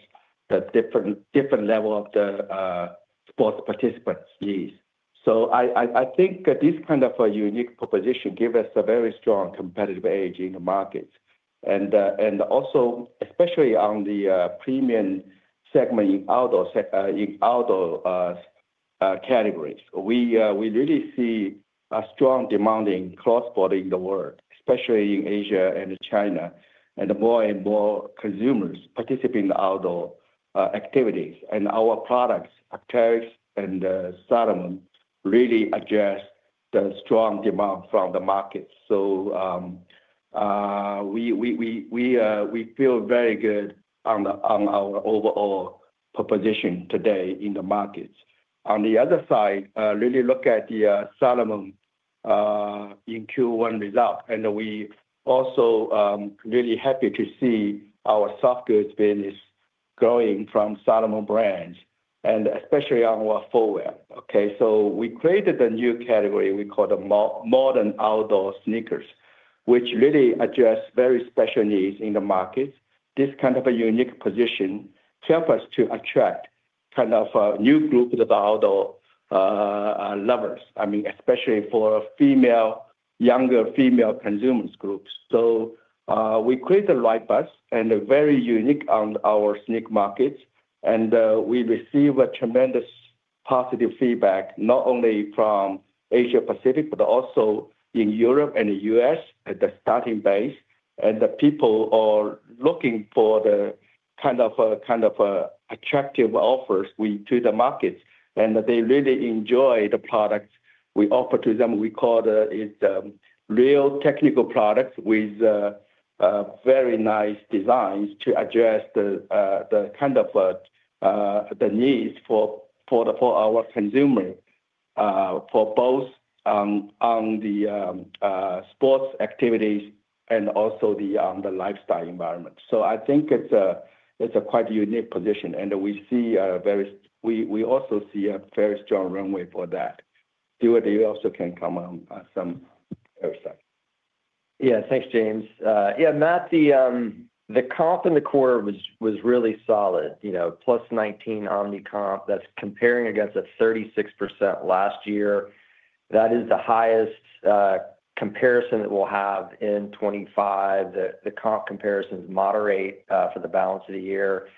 the different level of the sports participants' needs. I think this kind of a unique proposition gives us a very strong competitive edge in the markets. Also, especially on the premium segment in outdoor categories, we really see a strong demand in cross-border in the world, especially in Asia and China, and more and more consumers participating in outdoor activities. Our products, Arc'teryx and Salomon, really address the strong demand from the market. We feel very good on our overall proposition today in the markets. On the other side, really look at the Salomon in Q1 result, and we are also really happy to see our soft goods business growing from Salomon brands, and especially on our footwear. Okay, we created a new category we call the modern outdoor sneakers, which really address very special needs in the market. This kind of a unique position helps us to attract kind of a new group of outdoor lovers, I mean, especially for female, younger female consumers' groups. We created RideBus and are very unique on our sneaker markets, and we receive tremendous positive feedback not only from Asia Pacific, but also in Europe and the U.S. at the starting base. The people are looking for the kind of attractive offers we do to the markets, and they really enjoy the products we offer to them. We call it real technical products with very nice designs to address the kind of the needs for our consumer for both on the sports activities and also the lifestyle environment. I think it's a quite unique position, and we see a very—we also see a very strong runway for that. Stuart Haselden, you also can come on some— yeah, thanks, James. Yeah, Matt, the comp in the quarter was really solid. You know, plus 19% omnicomp, that's comparing against a 36% last year. That is the highest comparison that we'll have in 2025. The comp comparison is moderate for the balance of the year.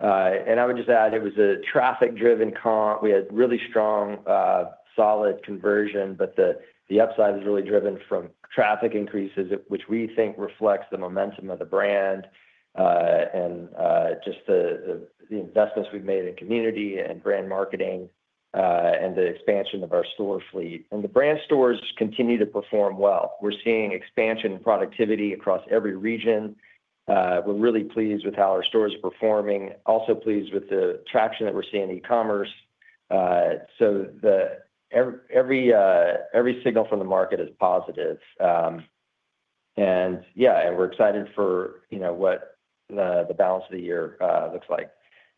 I would just add it was a traffic-driven comp. We had really strong, solid conversion, but the upside is really driven from traffic increases, which we think reflects the momentum of the brand and just the investments we've made in community and brand marketing and the expansion of our store fleet. The brand stores continue to perform well. We're seeing expansion and productivity across every region. We're really pleased with how our stores are performing, also pleased with the traction that we're seeing in e-commerce. Every signal from the market is positive. Yeah, and we're excited for what the balance of the year looks like.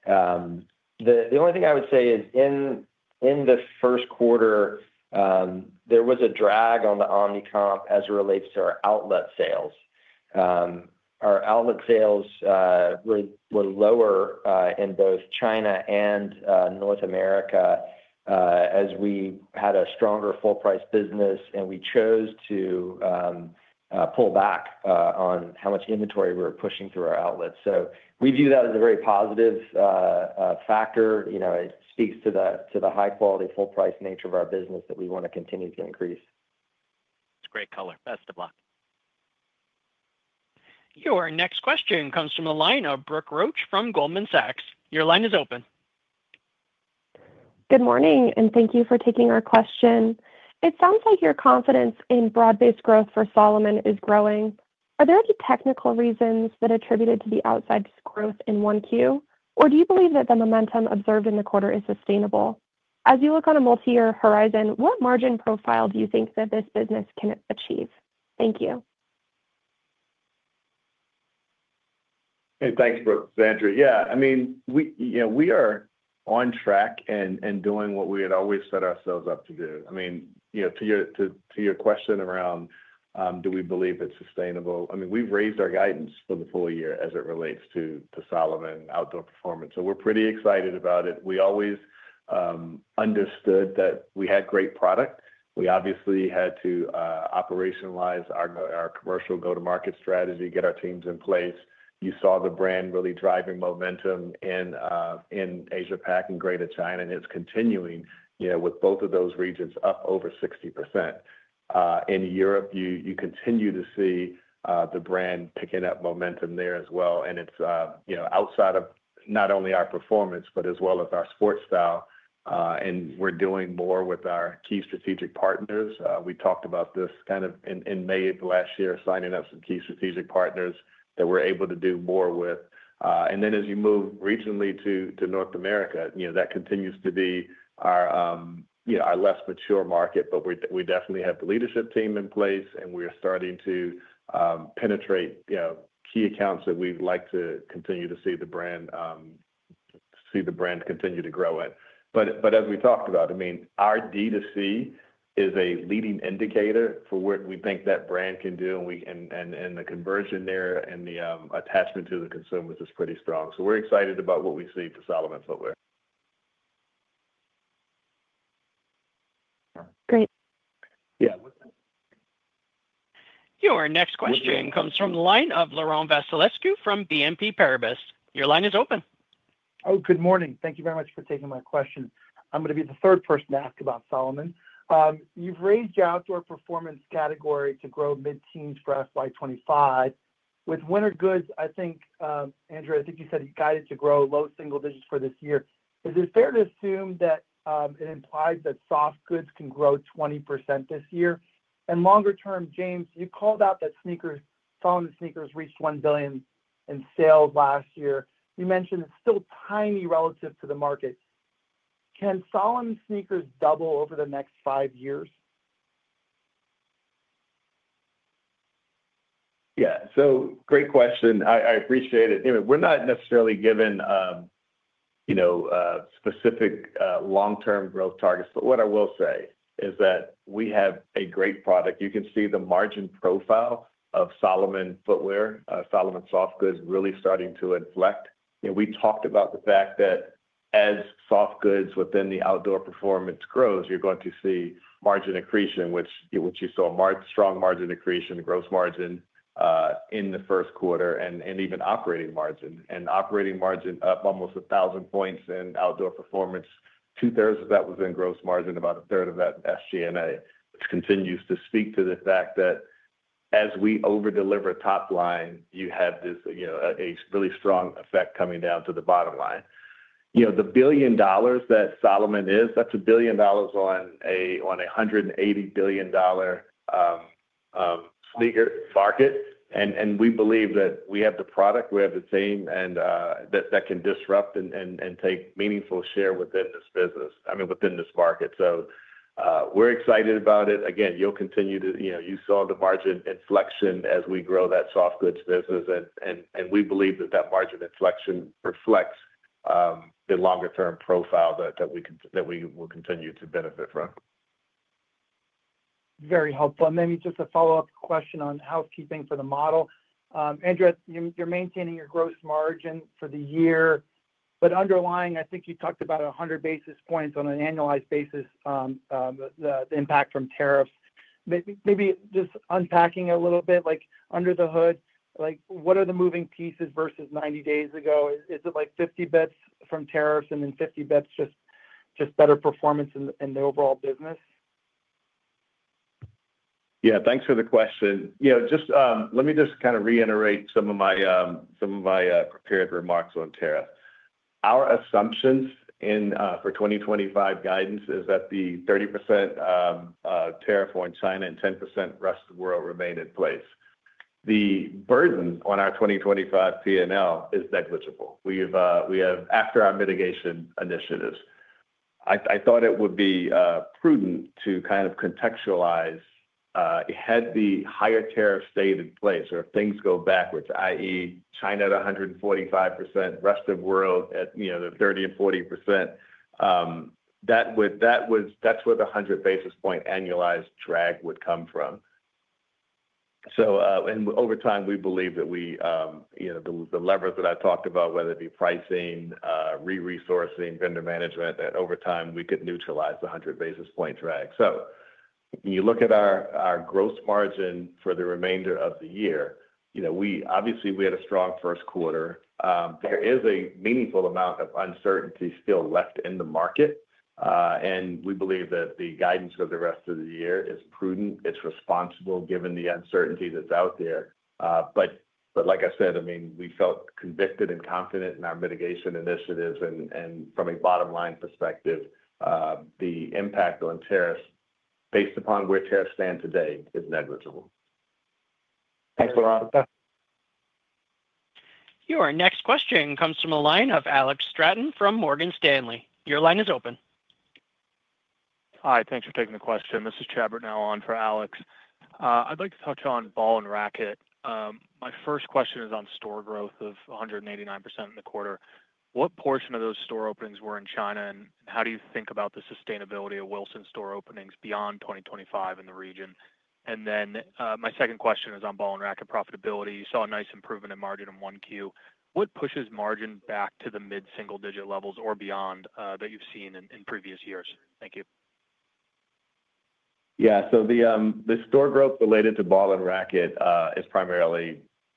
The only thing I would say is in the Q1, there was a drag on the omnicomp as it relates to our outlet sales. Our outlet sales were lower in both China and North America as we had a stronger full-price business, and we chose to pull back on how much inventory we were pushing through our outlets. We view that as a very positive factor. It speaks to the high-quality full-price nature of our business that we want to continue to increase. It's a great color. Best of luck. Your next question comes from the line of Brooke Roach from Goldman Sachs. Your line is open. Good morning, and thank you for taking our question. It sounds like your confidence in broad-based growth for Salomon is growing. Are there any technical reasons that are attributed to the outside growth in one queue, or do you believe that the momentum observed in the quarter is sustainable? As you look on a multi-year horizon, what margin profile do you think that this business can achieve? Thank you. Hey, thanks, Brooke, It's Andrew Page. Yeah, I mean, we are on track and doing what we had always set ourselves up to do. I mean, to your question around do we believe it's sustainable, I mean, we've raised our guidance for the full year as it relates to Salomon outdoor performance. So we're pretty excited about it. We always understood that we had great product. We obviously had to operationalize our commercial go-to-market strategy, get our teams in place. You saw the brand really driving momentum in Asia Pacific and Greater China, and it's continuing with both of those regions up over 60%. In Europe, you continue to see the brand picking up momentum there as well. It is outside of not only our performance, but as well as our sports style. We are doing more with our key strategic partners. We talked about this kind of in May of last year, signing up some key strategic partners that we are able to do more with. As you move regionally to North America, that continues to be our less mature market, but we definitely have the leadership team in place, and we are starting to penetrate key accounts that we would like to continue to see the brand continue to grow at. As we talked about, I mean, our DTC is a leading indicator for what we think that brand can do, and the conversion there and the attachment to the consumers is pretty strong. We're excited about what we see for Salomon footwear. Great. Your next question comes from the line of Laurent Vasilescu from BNP Paribas. Your line is open. Good morning. Thank you very much for taking my question. I'm going to be the third person to ask about Salomon. You've raised your outdoor performance category to grow mid-teens for FY 2025. With winter goods, I think, Andrew Page, I think you said you guided to grow low single-digits for this year. Is it fair to assume that it implies that soft goods can grow 20% this year? And longer-term, James Zheng, you called out that Salomon sneakers reached $1 billion in sales last year. You mentioned it's still tiny relative to the market. Can Salomon sneakers double over the next five years? Yeah, great question. I appreciate it. We're not necessarily given specific long-term growth targets, but what I will say is that we have a great product. You can see the margin profile of Salomon footwear, Salomon soft goods really starting to inflect. We talked about the fact that as soft goods within the outdoor performance grows, you're going to see margin accretion, which you saw strong margin accretion, gross margin in the Q1, and even operating margin. Operating margin up almost 1,000 basis points in outdoor performance, 2/3 of that was in gross margin, about 1/3 of that in SG&A, which continues to speak to the fact that as we overdeliver top line, you have a really strong effect coming down to the bottom line. The billion dollars that Salomon is, that's a billion dollars on a $180 billion sneaker market. We believe that we have the product, we have the team, and that can disrupt and take meaningful share within this business, I mean, within this market. We are excited about it. Again, you will continue to—you saw the margin inflection as we grow that soft goods business, and we believe that that margin inflection reflects the longer-term profile that we will continue to benefit from. Very helpful. Maybe just a follow-up question on housekeeping for the model. Andrew Page, you are maintaining your gross margin for the year, but underlying, I think you talked about 100 basis points on an annualized basis, the impact from tariffs. Maybe just unpacking a little bit, under the hood, what are the moving pieces versus 90 days ago? Is it like 50 basis points from tariffs and then 50 basis points just better performance in the overall business? Yeah, thanks for the question. Let me just kind of reiterate some of my prepared remarks on tariff. Our assumptions for 2025 guidance is that the 30% tariff on China and 10% rest of the world remain in place. The burden on our 2025 P&L is negligible. We have, after our mitigation initiatives, I thought it would be prudent to kind of contextualize had the higher tariff stayed in place or if things go backwards, i.e., China at 145%, rest of the world at 30% and 40%, that's where the 100 basis point annualized drag would come from. Over time, we believe that the levers that I talked about, whether it be pricing, re-resourcing, vendor management, that over time we could neutralize the 100 basis point drag. When you look at our gross margin for the remainder of the year, obviously we had a strong Q1. There is a meaningful amount of uncertainty still left in the market, and we believe that the guidance for the rest of the year is prudent. It's responsible given the uncertainty that's out there. Like I said, I mean, we felt convicted and confident in our mitigation initiatives, and from a bottom-line perspective, the impact on tariffs based upon where tariffs stand today is negligible. Thanks, Laurent. Your next question comes from the line of Alex Stratton from Morgan Stanley. Your line is open. Hi, thanks for taking the question. This is [Chabert] now on for Alex. I'd like to touch on ball and racket. My first question is on store growth of 189% in the quarter. What portion of those store openings were in China, and how do you think about the sustainability of Wilson store openings beyond 2025 in the region? Then my second question is on ball and racket profitability. You saw a nice improvement in margin in Q1. What pushes margin back to the mid-single-digit levels or beyond that you have seen in previous years? Thank you. Yeah, the store growth related to ball and racket is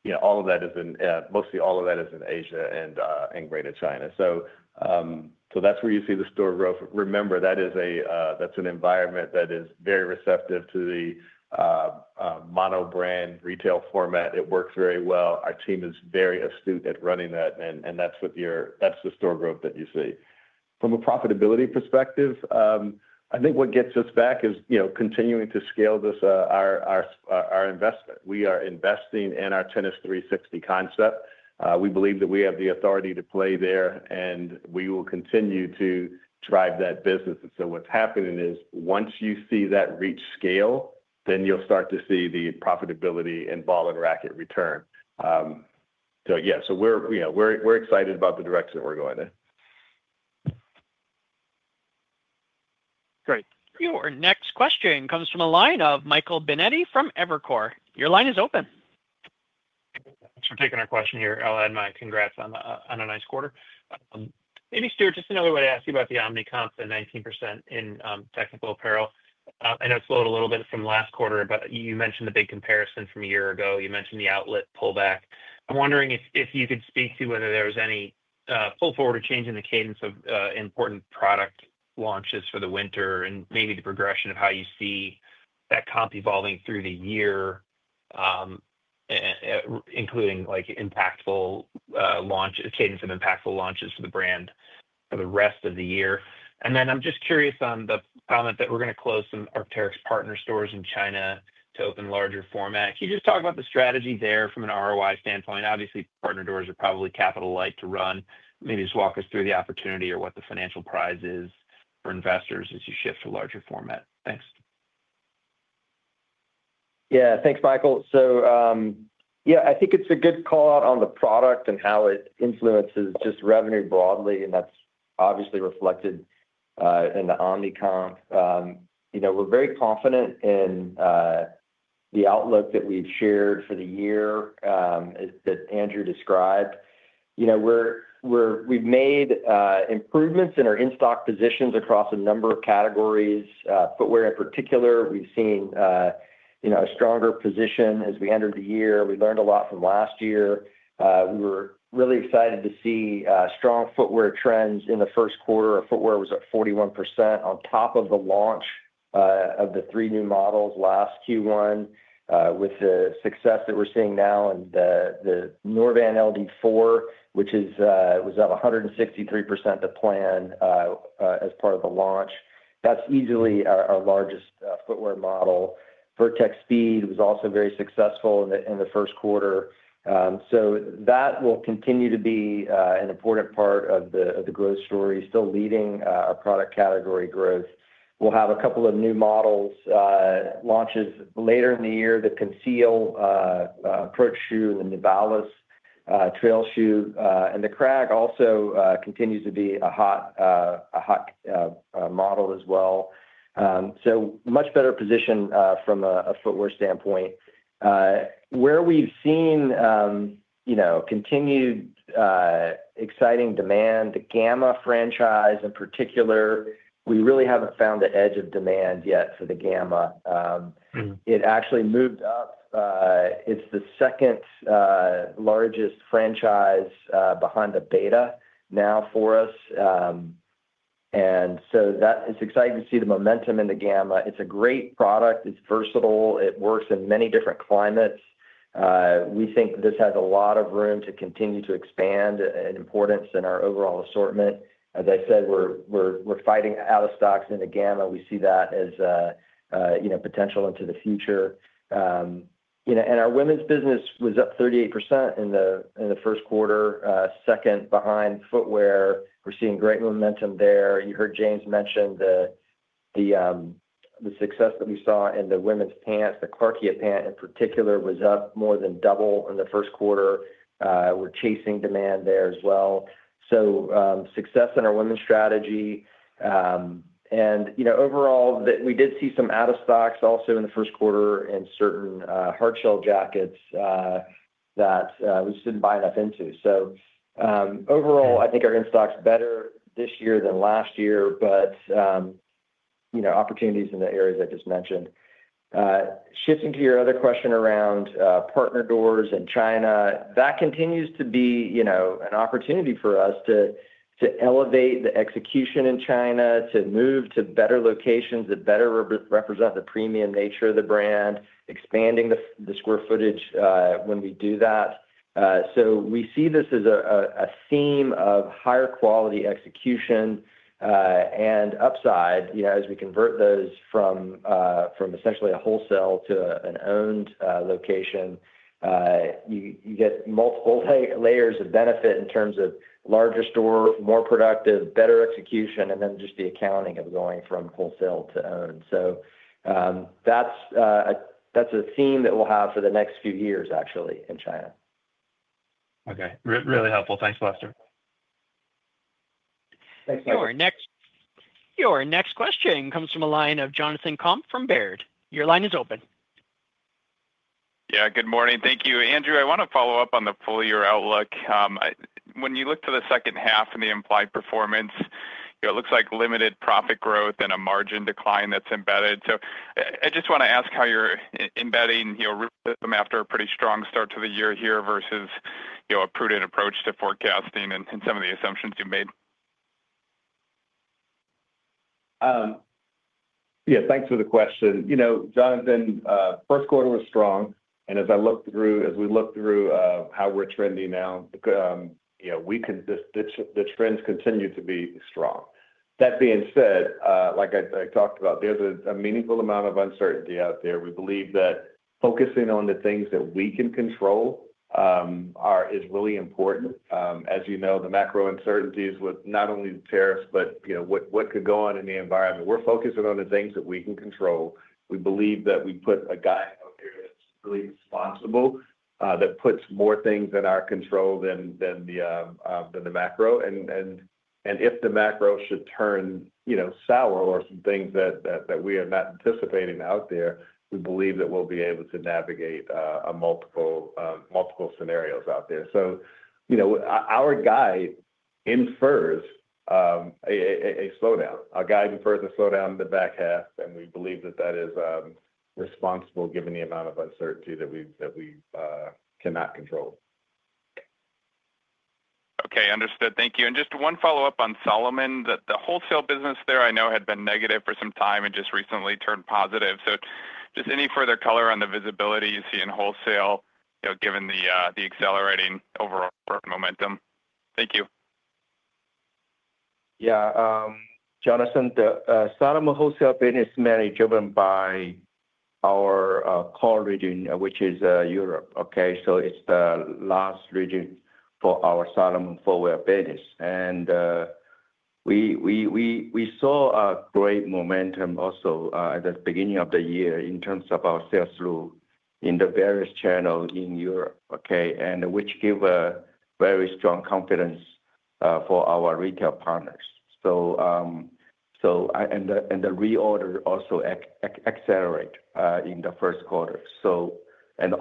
primarily—mostly all of that is in Asia and Greater China. That is where you see the store growth. Remember, that is an environment that is very receptive to the monobrand retail format. It works very well. Our team is very astute at running that, and that is the store growth that you see. From a profitability perspective, I think what gets us back is continuing to scale our investment. We are investing in our Tennis 360 concept. We believe that we have the authority to play there, and we will continue to drive that business. What's happening is once you see that reach scale, then you'll start to see the profitability in ball and racket return. Yeah, we're excited about the direction that we're going in. Great. Your next question comes from the line of Michael Binetti from Evercore. Your line is open. Thanks for taking our question here. I'll add my congrats on a nice quarter. Maybe, Stuart Haselden, just another way to ask you about the omnicomp and 19% in technical apparel. I know it's slowed a little bit from last quarter, but you mentioned the big comparison from a year ago. You mentioned the outlet pullback. I'm wondering if you could speak to whether there was any pull forward or change in the cadence of important product launches for the winter and maybe the progression of how you see that comp evolving through the year, including cadence of impactful launches for the brand for the rest of the year. I'm just curious on the comment that we're going to close some Arc'teryx partner stores in China to open larger format. Can you just talk about the strategy there from an ROI standpoint? Obviously, partner doors are probably capital light to run. Maybe just walk us through the opportunity or what the financial prize is for investors as you shift to larger format. Thanks. Yeah, thanks, Michael Binetti. I think it's a good call out on the product and how it influences just revenue broadly, and that's obviously reflected in the omnicomp. We're very confident in the outlook that we've shared for the year that Andrew Page described. We've made improvements in our in-stock positions across a number of categories. Footwear in particular, we've seen a stronger position as we entered the year. We learned a lot from last year. We were really excited to see strong footwear trends in the Q1. Footwear was at 41% on top of the launch of the three new models last Q1 with the success that we're seeing now and the Norvan LD4, which was up 163% to plan as part of the launch. That's easily our largest footwear model. Vertex Speed was also very successful in the Q1. That will continue to be an important part of the growth story, still leading our product category growth. We'll have a couple of new models, launches later in the year, the Konseal approach shoe and the Nivalis trail shoe. The Kragg also continues to be a hot model as well. Much better position from a footwear standpoint. Where we've seen continued exciting demand, the Gamma franchise in particular, we really haven't found the edge of demand yet for the Gamma. It actually moved up. It's the second largest franchise behind the Beta now for us. It's exciting to see the momentum in the Gamma. It's a great product. It's versatile. It works in many different climates. We think this has a lot of room to continue to expand in importance in our overall assortment. As I said, we're fighting out of stocks in the Gamma. We see that as potential into the future. Our women's business was up 38% in the Q1, second behind footwear. We're seeing great momentum there. You heard James Zheng mention the success that we saw in the women's pants. The Clarkia pant in particular was up more than double in the Q1. We're chasing demand there as well. Success in our women's strategy. Overall, we did see some out of stocks also in the Q1 in certain hard-shell jackets that we just did not buy enough into. Overall, I think our in-stocks are better this year than last year, but opportunities in the areas I just mentioned. Shifting to your other question around partner doors in China, that continues to be an opportunity for us to elevate the execution in China, to move to better locations that better represent the premium nature of the brand, expanding the square footage when we do that. We see this as a theme of higher quality execution. And upside, as we convert those from essentially a wholesale to an owned location, you get multiple layers of benefit in terms of larger stores, more productive, better execution, and then just the accounting of going from wholesale to owned. That's a theme that we'll have for the next few years, actually, in China. Okay. Really helpful. Thanks, Lester. Thanks, Michael. Your next question comes from a line of Jonathan Komp from Baird. Your line is open. Yeah, good morning. Thank you. Andrew Page, I want to follow up on the full year outlook. When you look to the second-half and the implied performance, it looks like limited profit growth and a margin decline that's embedded. I just want to ask how you're embedding after a pretty strong start to the year here versus a prudent approach to forecasting and some of the assumptions you made. Yeah, thanks for the question. Jonathan Komp, Q1 was strong. As we look through how we're trending now, the trends continue to be strong. That being said, like I talked about, there's a meaningful amount of uncertainty out there. We believe that focusing on the things that we can control is really important. As you know, the macro uncertainties with not only the tariffs, but what could go on in the environment. We're focusing on the things that we can control. We believe that we put a guide out there that's really responsible, that puts more things in our control than the macro. If the macro should turn sour or some things that we are not anticipating out there, we believe that we will be able to navigate multiple scenarios out there. Our guide infers a slowdown. Our guide infers a slowdown in the back half, and we believe that that is responsible given the amount of uncertainty that we cannot control. Okay. Understood. Thank you. Just one follow-up on Salomon. The wholesale business there I know had been negative for some time and just recently turned positive. Just any further color on the visibility you see in wholesale given the accelerating overall momentum? Thank you. Yeah. Jonathan Komp, the Salomon wholesale business is mainly driven by our core region, which is Europe. Okay? It is the last region for our Salomon footwear business. We saw great momentum also at the beginning of the year in terms of our sales through the various channels in Europe, which gave very strong confidence for our retail partners. The reorder also accelerated in the Q1.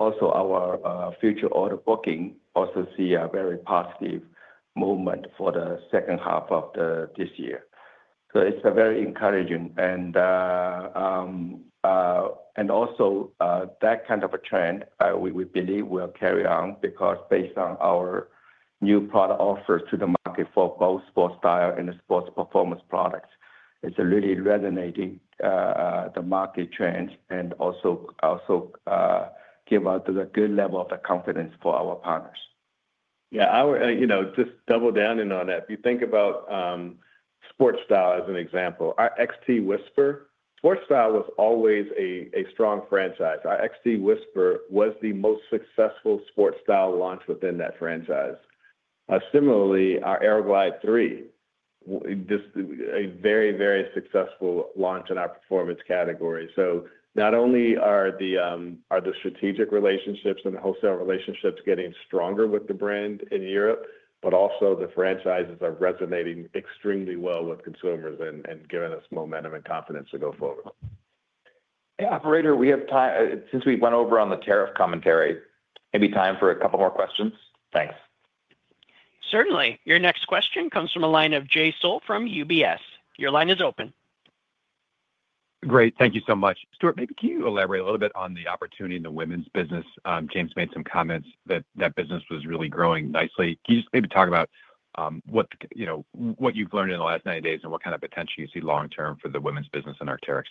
Our future order booking also sees a very positive movement for the second half of this year. It is very encouraging. That kind of trend, we believe, will carry on because based on our new product offers to the market for both sports style and sports performance products, it is really resonating with the market trends and also gives us a good level of confidence for our partners. Yeah. Just to double down on that, if you think about sports style as an example, our XT-WHISPER sports style was always a strong franchise. Our XT-WHISPER was the most successful sports style launch within that franchise. Similarly, our Aero Glide 3, a very, very successful launch in our performance category. Not only are the strategic relationships and the wholesale relationships getting stronger with the brand in Europe, but also the franchises are resonating extremely well with consumers and giving us momentum and confidence to go forward. Operator, since we went over on the tariff commentary, maybe time for a couple more questions? Thanks. Certainly. Your next question comes from a line of Jay Sole from UBS. Your line is open. Great. Thank you so much. Stuart Haselden, maybe can you elaborate a little bit on the opportunity in the women's business? James made some comments that that business was really growing nicely. Can you just maybe talk about what you've learned in the last 90 days and what kind of potential you see long-term for the women's business in Arc'teryx?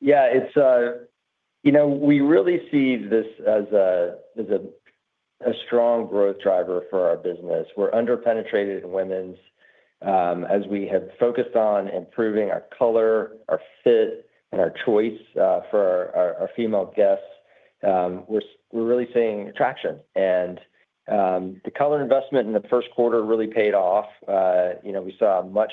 Yeah. We really see this as a strong growth driver for our business. We're underpenetrated in women's. As we have focused on improving our color, our fit, and our choice for our female guests, we're really seeing traction. The color investment in the Q1 really paid off. We saw a much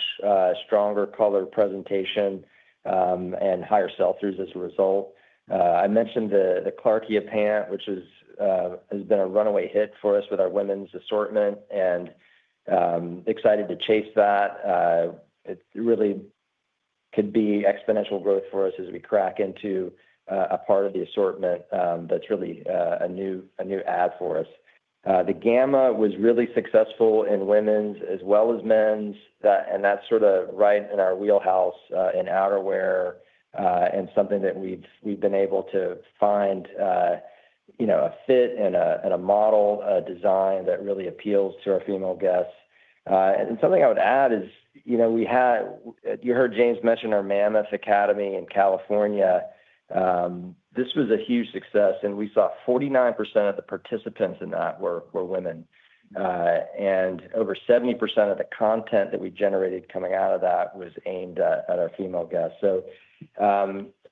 stronger color presentation and higher sell-throughs as a result. I mentioned the Clarkia pant, which has been a runaway hit for us with our women's assortment and excited to chase that. It really could be exponential growth for us as we crack into a part of the assortment that's really a new add for us. The Gamma was really successful in women's as well as men's. That's sort of right in our wheelhouse in outerwear and something that we've been able to find a fit and a model design that really appeals to our female guests. Something I would add is you heard James Zheng mention our Mammoth Academy in California. This was a huge success. We saw 49% of the participants in that were women. Over 70% of the content that we generated coming out of that was aimed at our female guests. There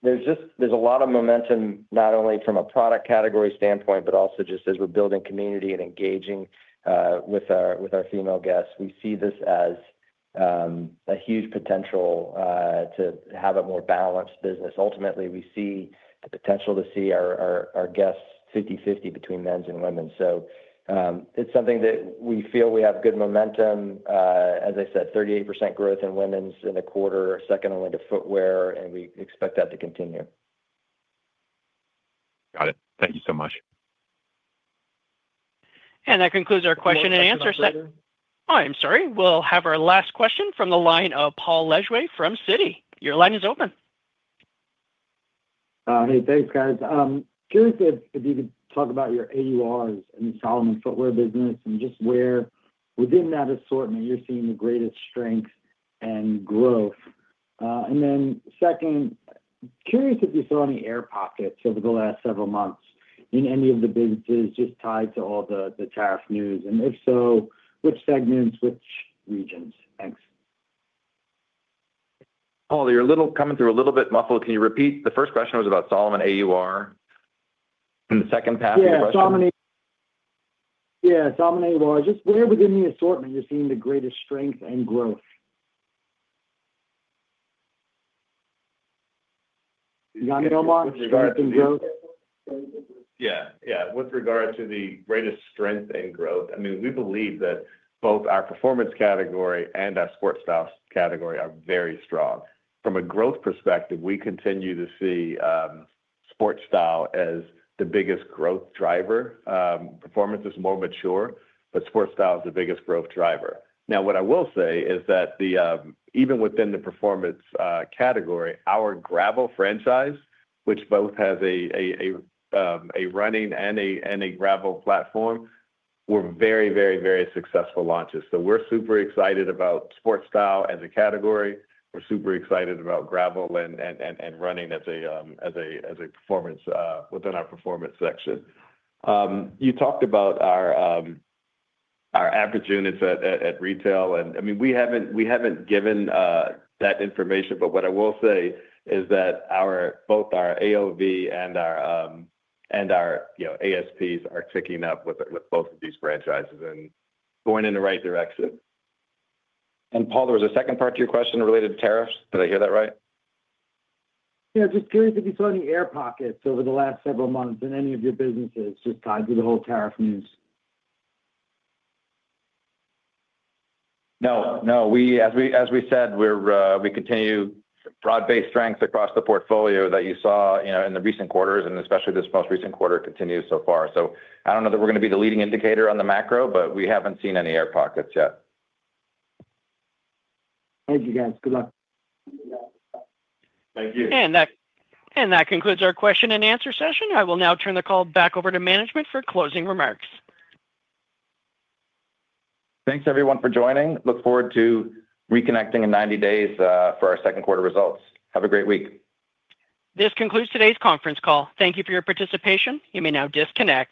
is a lot of momentum not only from a product category standpoint, but also just as we're building community and engaging with our female guests. We see this as a huge potential to have a more balanced business. Ultimately, we see the potential to see our guests 50/50 between men's and women. It's something that we feel we have good momentum. As I said, 38% growth in women's in the quarter, second only to footwear, and we expect that to continue. Got it. Thank you so much. That concludes our question and answer set. Oh, I'm sorry. We'll have our last question from the line of Paul Lejuez from Citi. Your line is open. Hey, thanks, guys. Curious if you could talk about your AURs in the Salomon footwear business and just where within that assortment you're seeing the greatest strength and growth. Then, second, curious if you saw any air pockets over the last several months in any of the businesses just tied to all the tariff news. If so, which segments, which regions? Thanks. Paul Lejuez, you're coming through a little bit muffled. Can you repeat? The first question was about Salomon AUR. The second half of your question? Yeah, yeah, Salomon AUR. Just where within the assortment you're seeing the greatest strength and growth? You got me online? Strength and growth? Yeah. Yeah. With regard to the greatest strength and growth, I mean, we believe that both our performance category and our sports style category are very strong. From a growth perspective, we continue to see sports style as the biggest growth driver. Performance is more mature, but sports style is the biggest growth driver. Now, what I will say is that even within the performance category, our Gravel franchise, which both has a running and a Gravel platform, were very, very, very successful launches. So we're super excited about sports style as a category. We're super excited about Gravel and running as a performance within our performance section. You talked about our average units at retail. I mean, we have not given that information, but what I will say is that both our AOV and our ASPs are ticking up with both of these franchises and going in the right direction. Paul Lejuez, there was a second part to your question related to tariffs. Did I hear that right? Yeah. Just curious if you saw any air pockets over the last several months in any of your businesses just tied to the whole tariff news. No. No. As we said, we continue broad-based strengths across the portfolio that you saw in the recent quarters, and especially this most recent quarter continues so far. I do not know that we are going to be the leading indicator on the macro, but we have not seen any air pockets yet. Thank you, guys. Good luck. Thank you. That concludes our Q&A. I will now turn the call back over to management for closing remarks. Thanks, everyone, for joining. Look forward to reconnecting in 90 days for our Q2 results. Have a great week. This concludes today's conference call. Thank you for your participation. You may now disconnect.